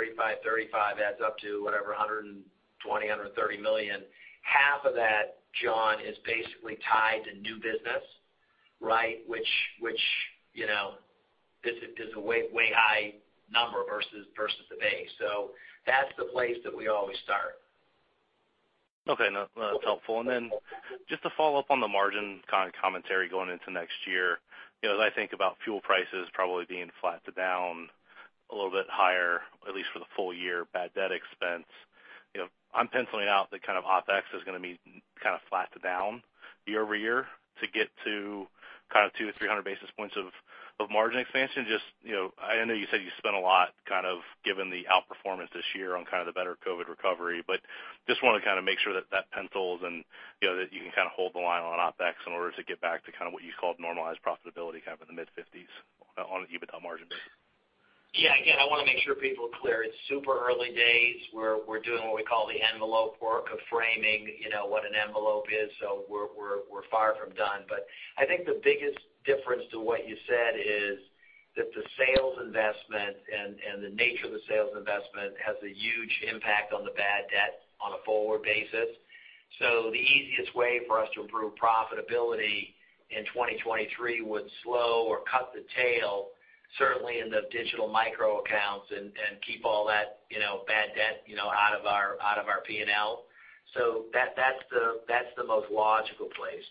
C: million adds up to whatever $120-$130 million. Half of that, John, is basically tied to new business, right? Which, you know, is a way high number versus the base. That's the place that we always start.
O: Okay. No, that's helpful. Then just to follow up on the margin kind of commentary going into next year. You know, as I think about fuel prices probably being flat to down a little bit higher, at least for the full year bad debt expense, you know, I'm penciling out that kind of OpEx is gonna be kind of flat to down year-over-year to get to kind of 200-300 basis points of margin expansion. Just, you know, I know you said you spent a lot kind of given the outperformance this year on kind of the better COVID recovery, but just wanna kind of make sure that pencils and, you know, that you can kind of hold the line on OpEx in order to get back to kind of what you called normalized profitability, kind of in the mid-50s% on an EBITDA margin basis.
C: Yeah. Again, I wanna make sure people are clear. It's super early days. We're doing what we call the envelope work of framing, you know, what an envelope is. We're far from done. I think the biggest difference to what you said is that the sales investment and the nature of the sales investment has a huge impact on the bad debt on a forward basis. The easiest way for us to improve profitability in 2023 would slow or cut the tail, certainly in the digital micro accounts and keep all that, you know, bad debt, you know, out of our P&L. That's the most logical place.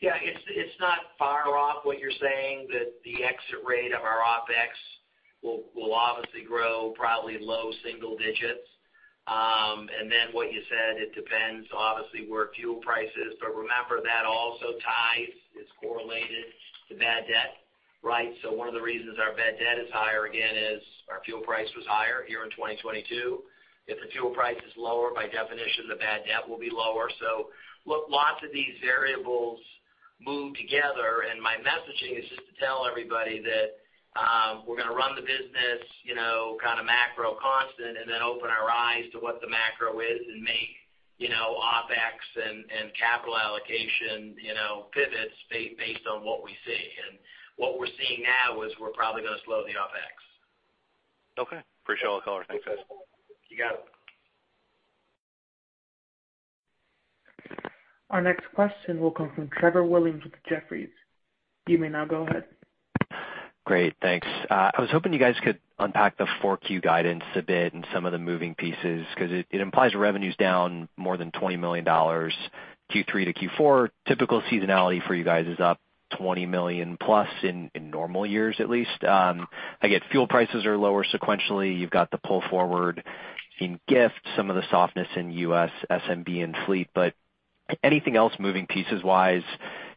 C: Yeah, it's not far off what you're saying that the exit rate of our OpEx will obviously grow probably low single digits. What you said, it depends, obviously, where fuel price is. Remember that also ties, it's correlated to bad debt, right? One of the reasons our bad debt is higher, again, is our fuel price was higher here in 2022. If the fuel price is lower, by definition, the bad debt will be lower. Look, lots of these variables move together, and my messaging is just to tell everybody that, we're gonna run the business, you know, kind of macro constant and then open our eyes to what the macro is and make, you know, OpEx and capital allocation, you know, pivots based on what we see. What we're seeing now is we're probably gonna slow the OpEx.
O: Okay. Appreciate all the color. Thanks, guys.
C: You got it.
A: Our next question will come from Trevor Williams with Jefferies. You may now go ahead.
P: Great, thanks. I was hoping you guys could unpack the Q4 guidance a bit and some of the moving pieces because it implies revenues down more than $20 million, Q3 to Q4. Typical seasonality for you guys is up $20 million plus in normal years at least. I get fuel prices are lower sequentially. You've got the pull forward in gift, some of the softness in US SMB and fleet. Anything else moving pieces-wise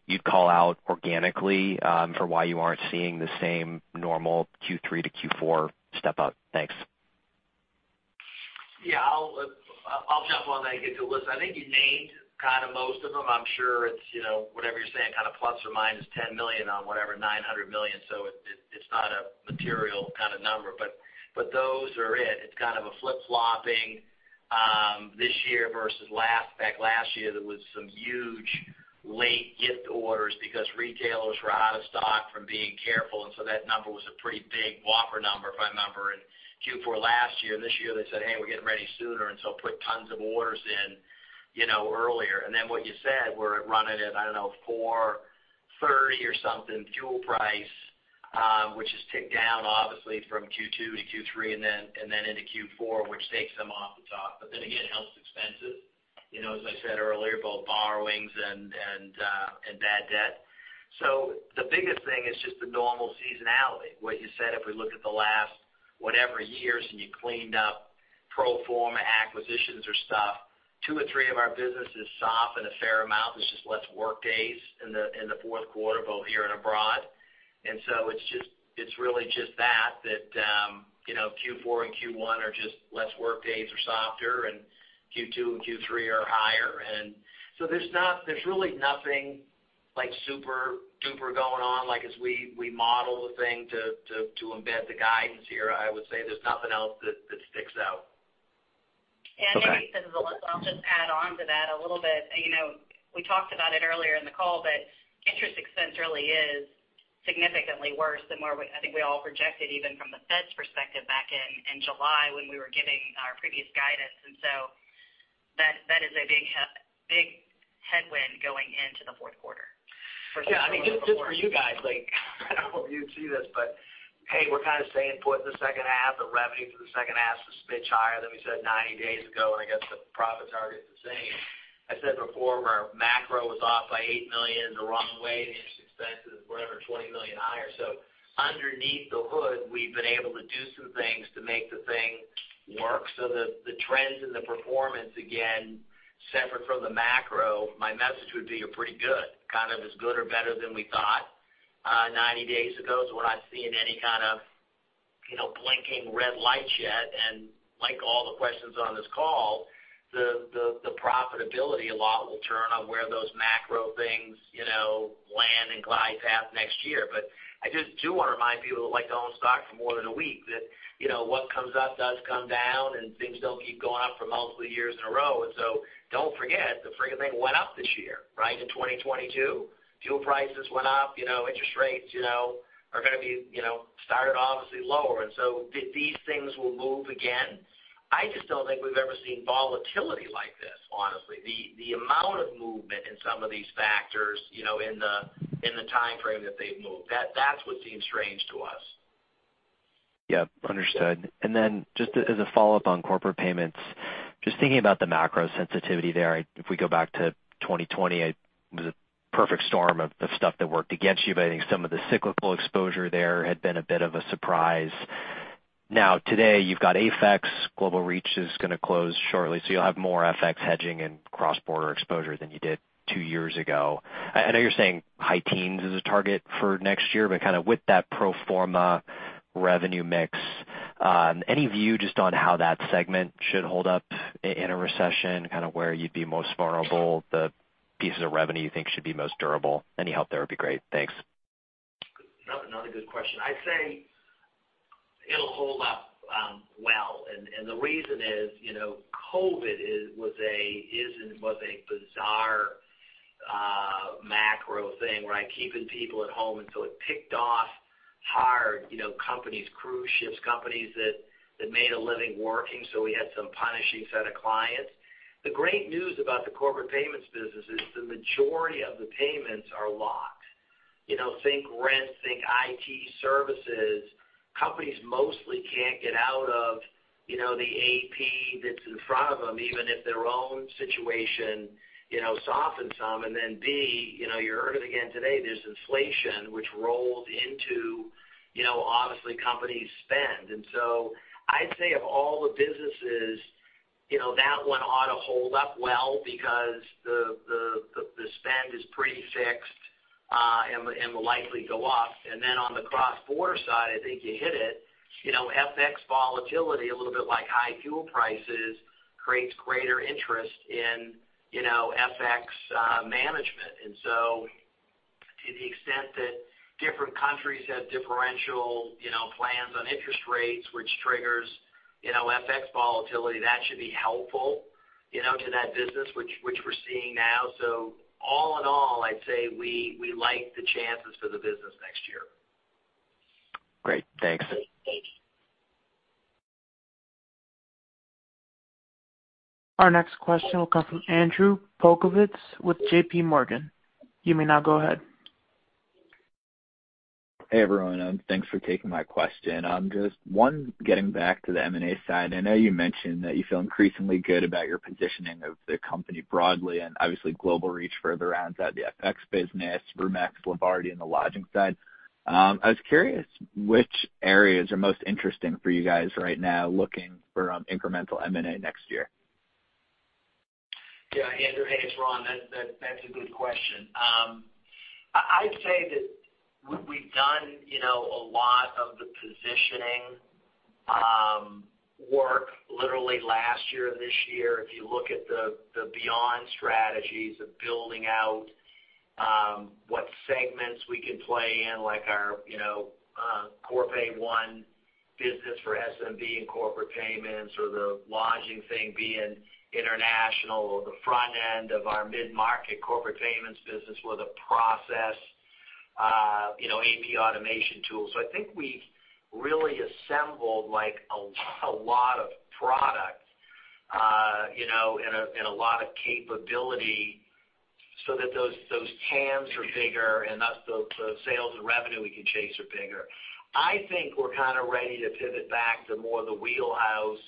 P: you'd call out organically, for why you aren't seeing the same normal Q3 to Q4 step up? Thanks.
C: Yeah, I'll jump on that and get to Alissa. I think you named kind of most of them. I'm sure it's, you know, whatever you're saying, kind of plus or minus $10 million on whatever, $900 million. It's not a material kind of number, but those are it. It's kind of a flip-flopping this year versus last. Back last year, there was some huge late gift orders because retailers were out of stock from being careful, and so that number was a pretty big whopper number, if I remember, in Q4 last year. This year, they said, "Hey, we're getting ready sooner," and so put tons of orders in, you know, earlier. What you said, we're running at, I don't know, $4.30 or something fuel price, which is ticked down obviously from Q2 to Q3 and then into Q4, which takes some off the top. It helps expenses, you know, as I said earlier, both borrowings and bad debt. The biggest thing is just the normal seasonality. If we look at the last whatever years and you cleaned up pro forma acquisitions or stuff, two or three of our business is soft and a fair amount is just less workdays in the fourth quarter, both here and abroad. It's really just that, you know, Q4 and Q1 are just less workdays are softer, and Q2 and Q3 are higher. There's really nothing like super duper going on. Like, as we model the thing to embed the guidance here, I would say there's nothing else that sticks out.
P: Okay
D: It's Alissa, I'll just add on to that a little bit. You know, we talked about it earlier in the call, but interest expense really is significantly worse than where we I think we all projected even from the Fed's perspective back in July when we were giving our previous guidance. That is a big headwind going into the fourth quarter for sure.
C: Yeah. I mean, just for you guys, like, I don't know if you would see this, but hey, we're kind of staying put in the second half. The revenue for the second half is a smidge higher than we said 90 days ago, and I guess the profit target's the same. I said before, our macro was off by $8 million in the wrong way, and the interest expense is whatever, $20 million higher. Underneath the hood, we've been able to do some things to make the thing work. The trends and the performance, again, separate from the macro, my message would be you're pretty good, kind of as good or better than we thought 90 days ago. We're not seeing any kind of, you know, blinking red lights yet. Like all the questions on this call, the profitability a lot will turn on where those macro things, you know, land and glide path next year. But I just do wanna remind people that like to own stock for more than a week that, you know, what comes up does come down and things don't keep going up for multiple years in a row. So don't forget, the freaking thing went up this year, right? In 2022, fuel prices went up, you know, interest rates, you know, are gonna be, you know, started obviously lower. So these things will move again. I just don't think we've ever seen volatility like this, honestly. The amount of movement in some of these factors, you know, in the timeframe that they've moved, that's what seems strange to us.
P: Yeah. Understood. Just as a follow-up on corporate payments, just thinking about the macro sensitivity there. If we go back to 2020, it was a perfect storm of stuff that worked against you, but I think some of the cyclical exposure there had been a bit of a surprise. Now today, you've got AFEX, Global Reach is gonna close shortly, so you'll have more FX hedging and cross-border exposure than you did two years ago. I know you're saying high teens is a target for next year, but kind of with that pro forma revenue mix, any view just on how that segment should hold up in a recession, kind of where you'd be most vulnerable, the pieces of revenue you think should be most durable? Any help there would be great. Thanks.
C: Another good question. I'd say it'll hold up, well, and the reason is, you know, COVID is and was a bizarre macro thing, right? Keeping people at home until it picked off hard, you know, companies, cruise ships, companies that made a living working, so we had some punishing set of clients. The great news about the corporate payments business is the majority of the payments are locked. You know, think rent, think IT services. Companies mostly can't get out of, you know, the AP that's in front of them, even if their own situation, you know, softened some. Then B, you know, you heard it again today, there's inflation which rolled into, you know, obviously companies' spend. I'd say of all the businesses, you know, that one ought to hold up well because the spend is pretty fixed, and will likely go up. On the cross-border side, I think you hit it. You know, FX volatility, a little bit like high fuel prices, creates greater interest in, you know, FX management. To the extent that different countries have differential, you know, plans on interest rates, which triggers, you know, FX volatility, that should be helpful, you know, to that business which we're seeing now. All in all, I'd say we like the chances for the business next year.
P: Great. Thanks.
A: Our next question will come from Andrew Polkowitz with JPMorgan. You may now go ahead.
Q: Hey, everyone. Thanks for taking my question. Just one, getting back to the M&A side. I know you mentioned that you feel increasingly good about your positioning of the company broadly and obviously Global Reach further around the FX business, Roomex, Levarti, and the lodging side. I was curious which areas are most interesting for you guys right now looking for incremental M&A next year?
C: Yeah, Andrew. Hey, it's Ron. That's a good question. I'd say that we've done, you know, a lot of the positioning work literally last year and this year. If you look at the beyond strategies of building out what segments we can play in, like our, you know, Corpay One business for SMB and corporate payments or the lodging thing being international or the front end of our mid-market corporate payments business with a process, you know, AP automation tool. I think we've really assembled like a lot of product and a lot of capability so that those TAMs are bigger and thus the sales and revenue we can chase are bigger. I think we're kind of ready to pivot back to more of the wheelhouse,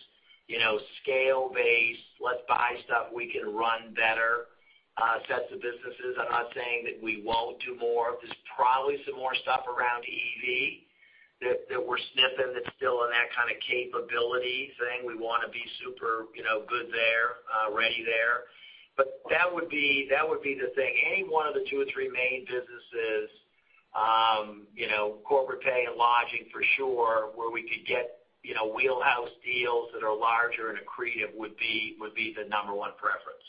C: you know, scale-based, let's buy stuff we can run better, sets of businesses. I'm not saying that we won't do more. There's probably some more stuff around EV that we're sniffing that's still in that kind of capability thing. We wanna be super, you know, good there, ready there. That would be the thing. Any one of the two or three main businesses, you know, corporate pay and lodging for sure, where we could get, you know, wheelhouse deals that are larger and accretive would be the number one preference.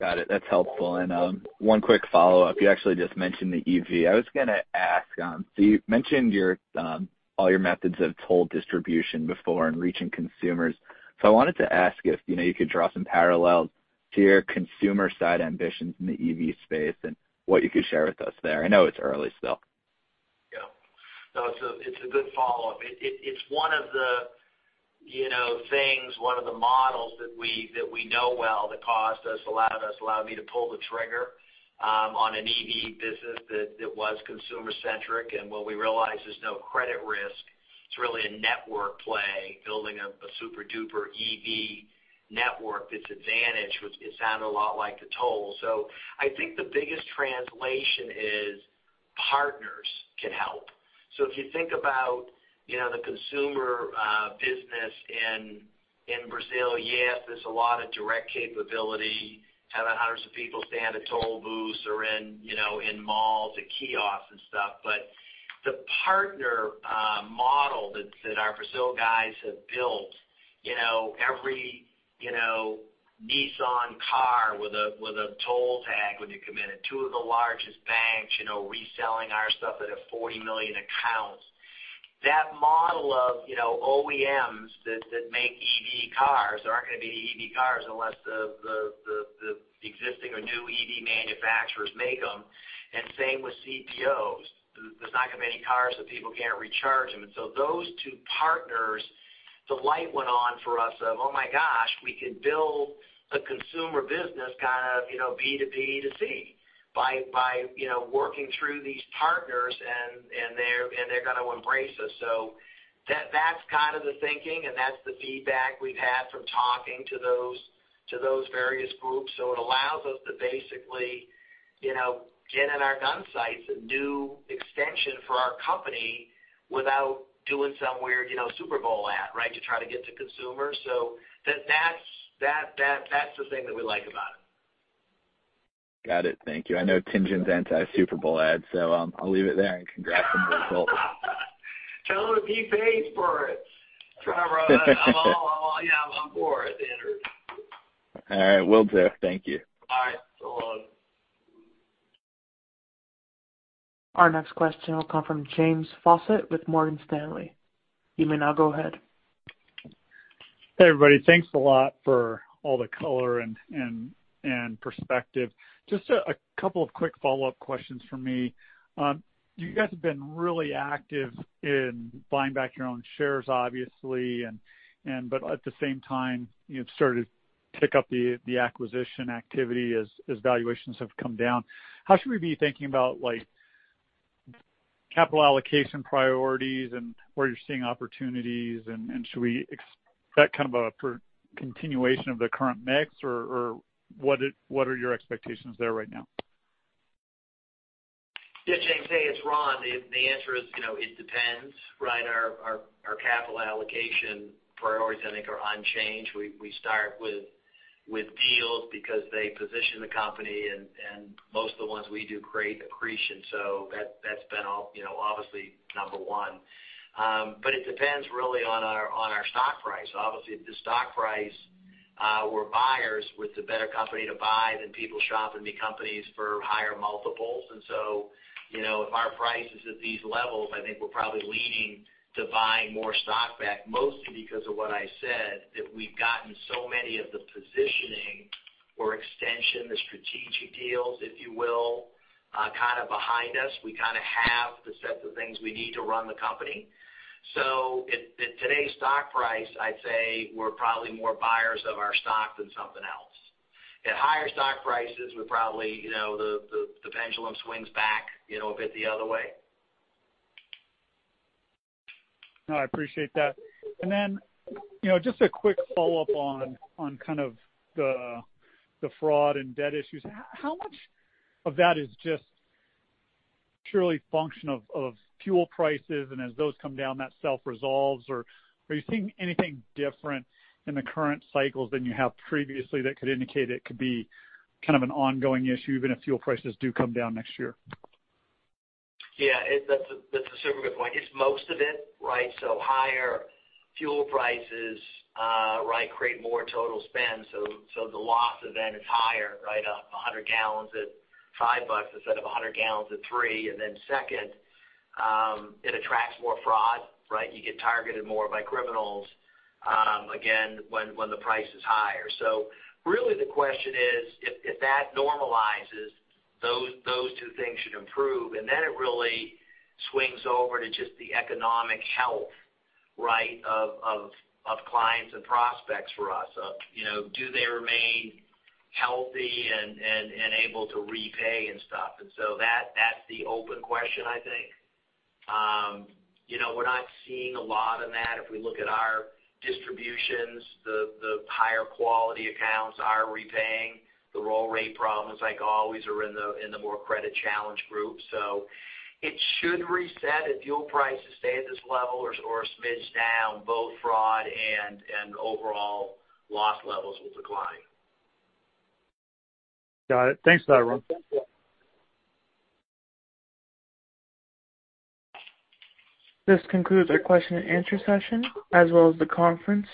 Q: Got it. That's helpful. One quick follow-up. You actually just mentioned the EV. I was gonna ask, so you've mentioned your all your methods of toll distribution before and reaching consumers. I wanted to ask if, you know, you could draw some parallels to your consumer-side ambitions in the EV space and what you could share with us there. I know it's early still.
C: Yeah. No, it's a good follow-up. It's one of the, you know, things, one of the models that we know well that allowed me to pull the trigger on an EV business that was consumer-centric. What we realized is no credit risk. It's really a network play, building a super-duper EV network that's advantageous, which sounded a lot like a toll. I think the biggest translation is partners can help. If you think about, you know, the consumer business in Brazil, yes, there's a lot of direct capability, having hundreds of people stand at toll booths or in, you know, in malls at kiosks and stuff. The partner model that our Brazil guys have built, you know, every Nissan car with a toll tag when you come in, and two of the largest banks reselling our stuff that have 40 million accounts. That model of OEMs that make EV cars, there aren't gonna be any EV cars unless the existing or new EV manufacturers make them. Same with CPOs. There's not gonna be any cars that people can't recharge them. Those two partners, the light went on for us of oh my gosh, we could build a consumer business kind of, you know, B2B to C by working through these partners and they're gonna embrace us. That's kind of the thinking, and that's the feedback we've had from talking to those various groups. It allows us to basically, you know, get in our gun sights a new extension for our company without doing some weird, you know, Super Bowl ad, right, to try to get to consumers. That's the thing that we like about it.
Q: Got it. Thank you. I know Tien-Tsin's anti-Super Bowl ads, so, I'll leave it there and congrats on the results.
C: Tell him if he pays for it. Yeah, I'm all for it, Andrew.
Q: All right. Will do. Thank you.
A: Our next question will come from James Faucette with Morgan Stanley. You may now go ahead.
R: Hey, everybody. Thanks a lot for all the color and perspective. Just a couple of quick follow-up questions from me. You guys have been really active in buying back your own shares, obviously, but at the same time, you've started to pick up the acquisition activity as valuations have come down. How should we be thinking about, like, capital allocation priorities and where you're seeing opportunities? Should we expect that kind of a continuation of the current mix or what are your expectations there right now?
C: Yeah, James. Hey, it's Ron. The answer is, you know, it depends, right? Our capital allocation priorities, I think, are unchanged. We start with deals because they position the company and most of the ones we do create accretion. So that's been all, you know, obviously number one. But it depends really on our stock price. Obviously, if the stock price, we're buyers, we're the better company to buy than people shopping the companies for higher multiples. You know, if our price is at these levels, I think we're probably leaning to buying more stock back, mostly because of what I said, that we've gotten so many of the positioning or extension, the strategic deals, if you will, kind of behind us. We kind of have the sets of things we need to run the company. At today's stock price, I'd say we're probably more buyers of our stock than something else. At higher stock prices, we're probably, you know, the pendulum swings back, you know, a bit the other way.
R: No, I appreciate that. You know, just a quick follow-up on kind of the fraud and debt issues. How much of that is just purely a function of fuel prices and as those come down that self-resolves? Or are you seeing anything different in the current cycles than you have previously that could indicate it could be kind of an ongoing issue even if fuel prices do come down next year?
C: Yeah, that's a super good point. It's most of it, right? Higher fuel prices, right, create more total spend. The loss event is higher, right? 100 gallons at $5 instead of 100 gallons at $3. Second, it attracts more fraud, right? You get targeted more by criminals, again, when the price is higher. Really the question is if that normalizes, those two things should improve, and then it really swings over to just the economic health, right, of clients and prospects for us, you know, do they remain healthy and able to repay and stuff. That's the open question, I think. You know, we're not seeing a lot in that. If we look at our distributions, the higher quality accounts are repaying. The roll rate problems, like always, are in the more credit-challenged group. It should reset. If fuel prices stay at this level or a smidge down, both fraud and overall loss levels will decline.
R: Got it. Thanks for that, Ron.
A: This concludes our question-and-answer session, as well as the conference.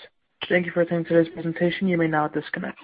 A: Thank you for attending today's presentation. You may now disconnect.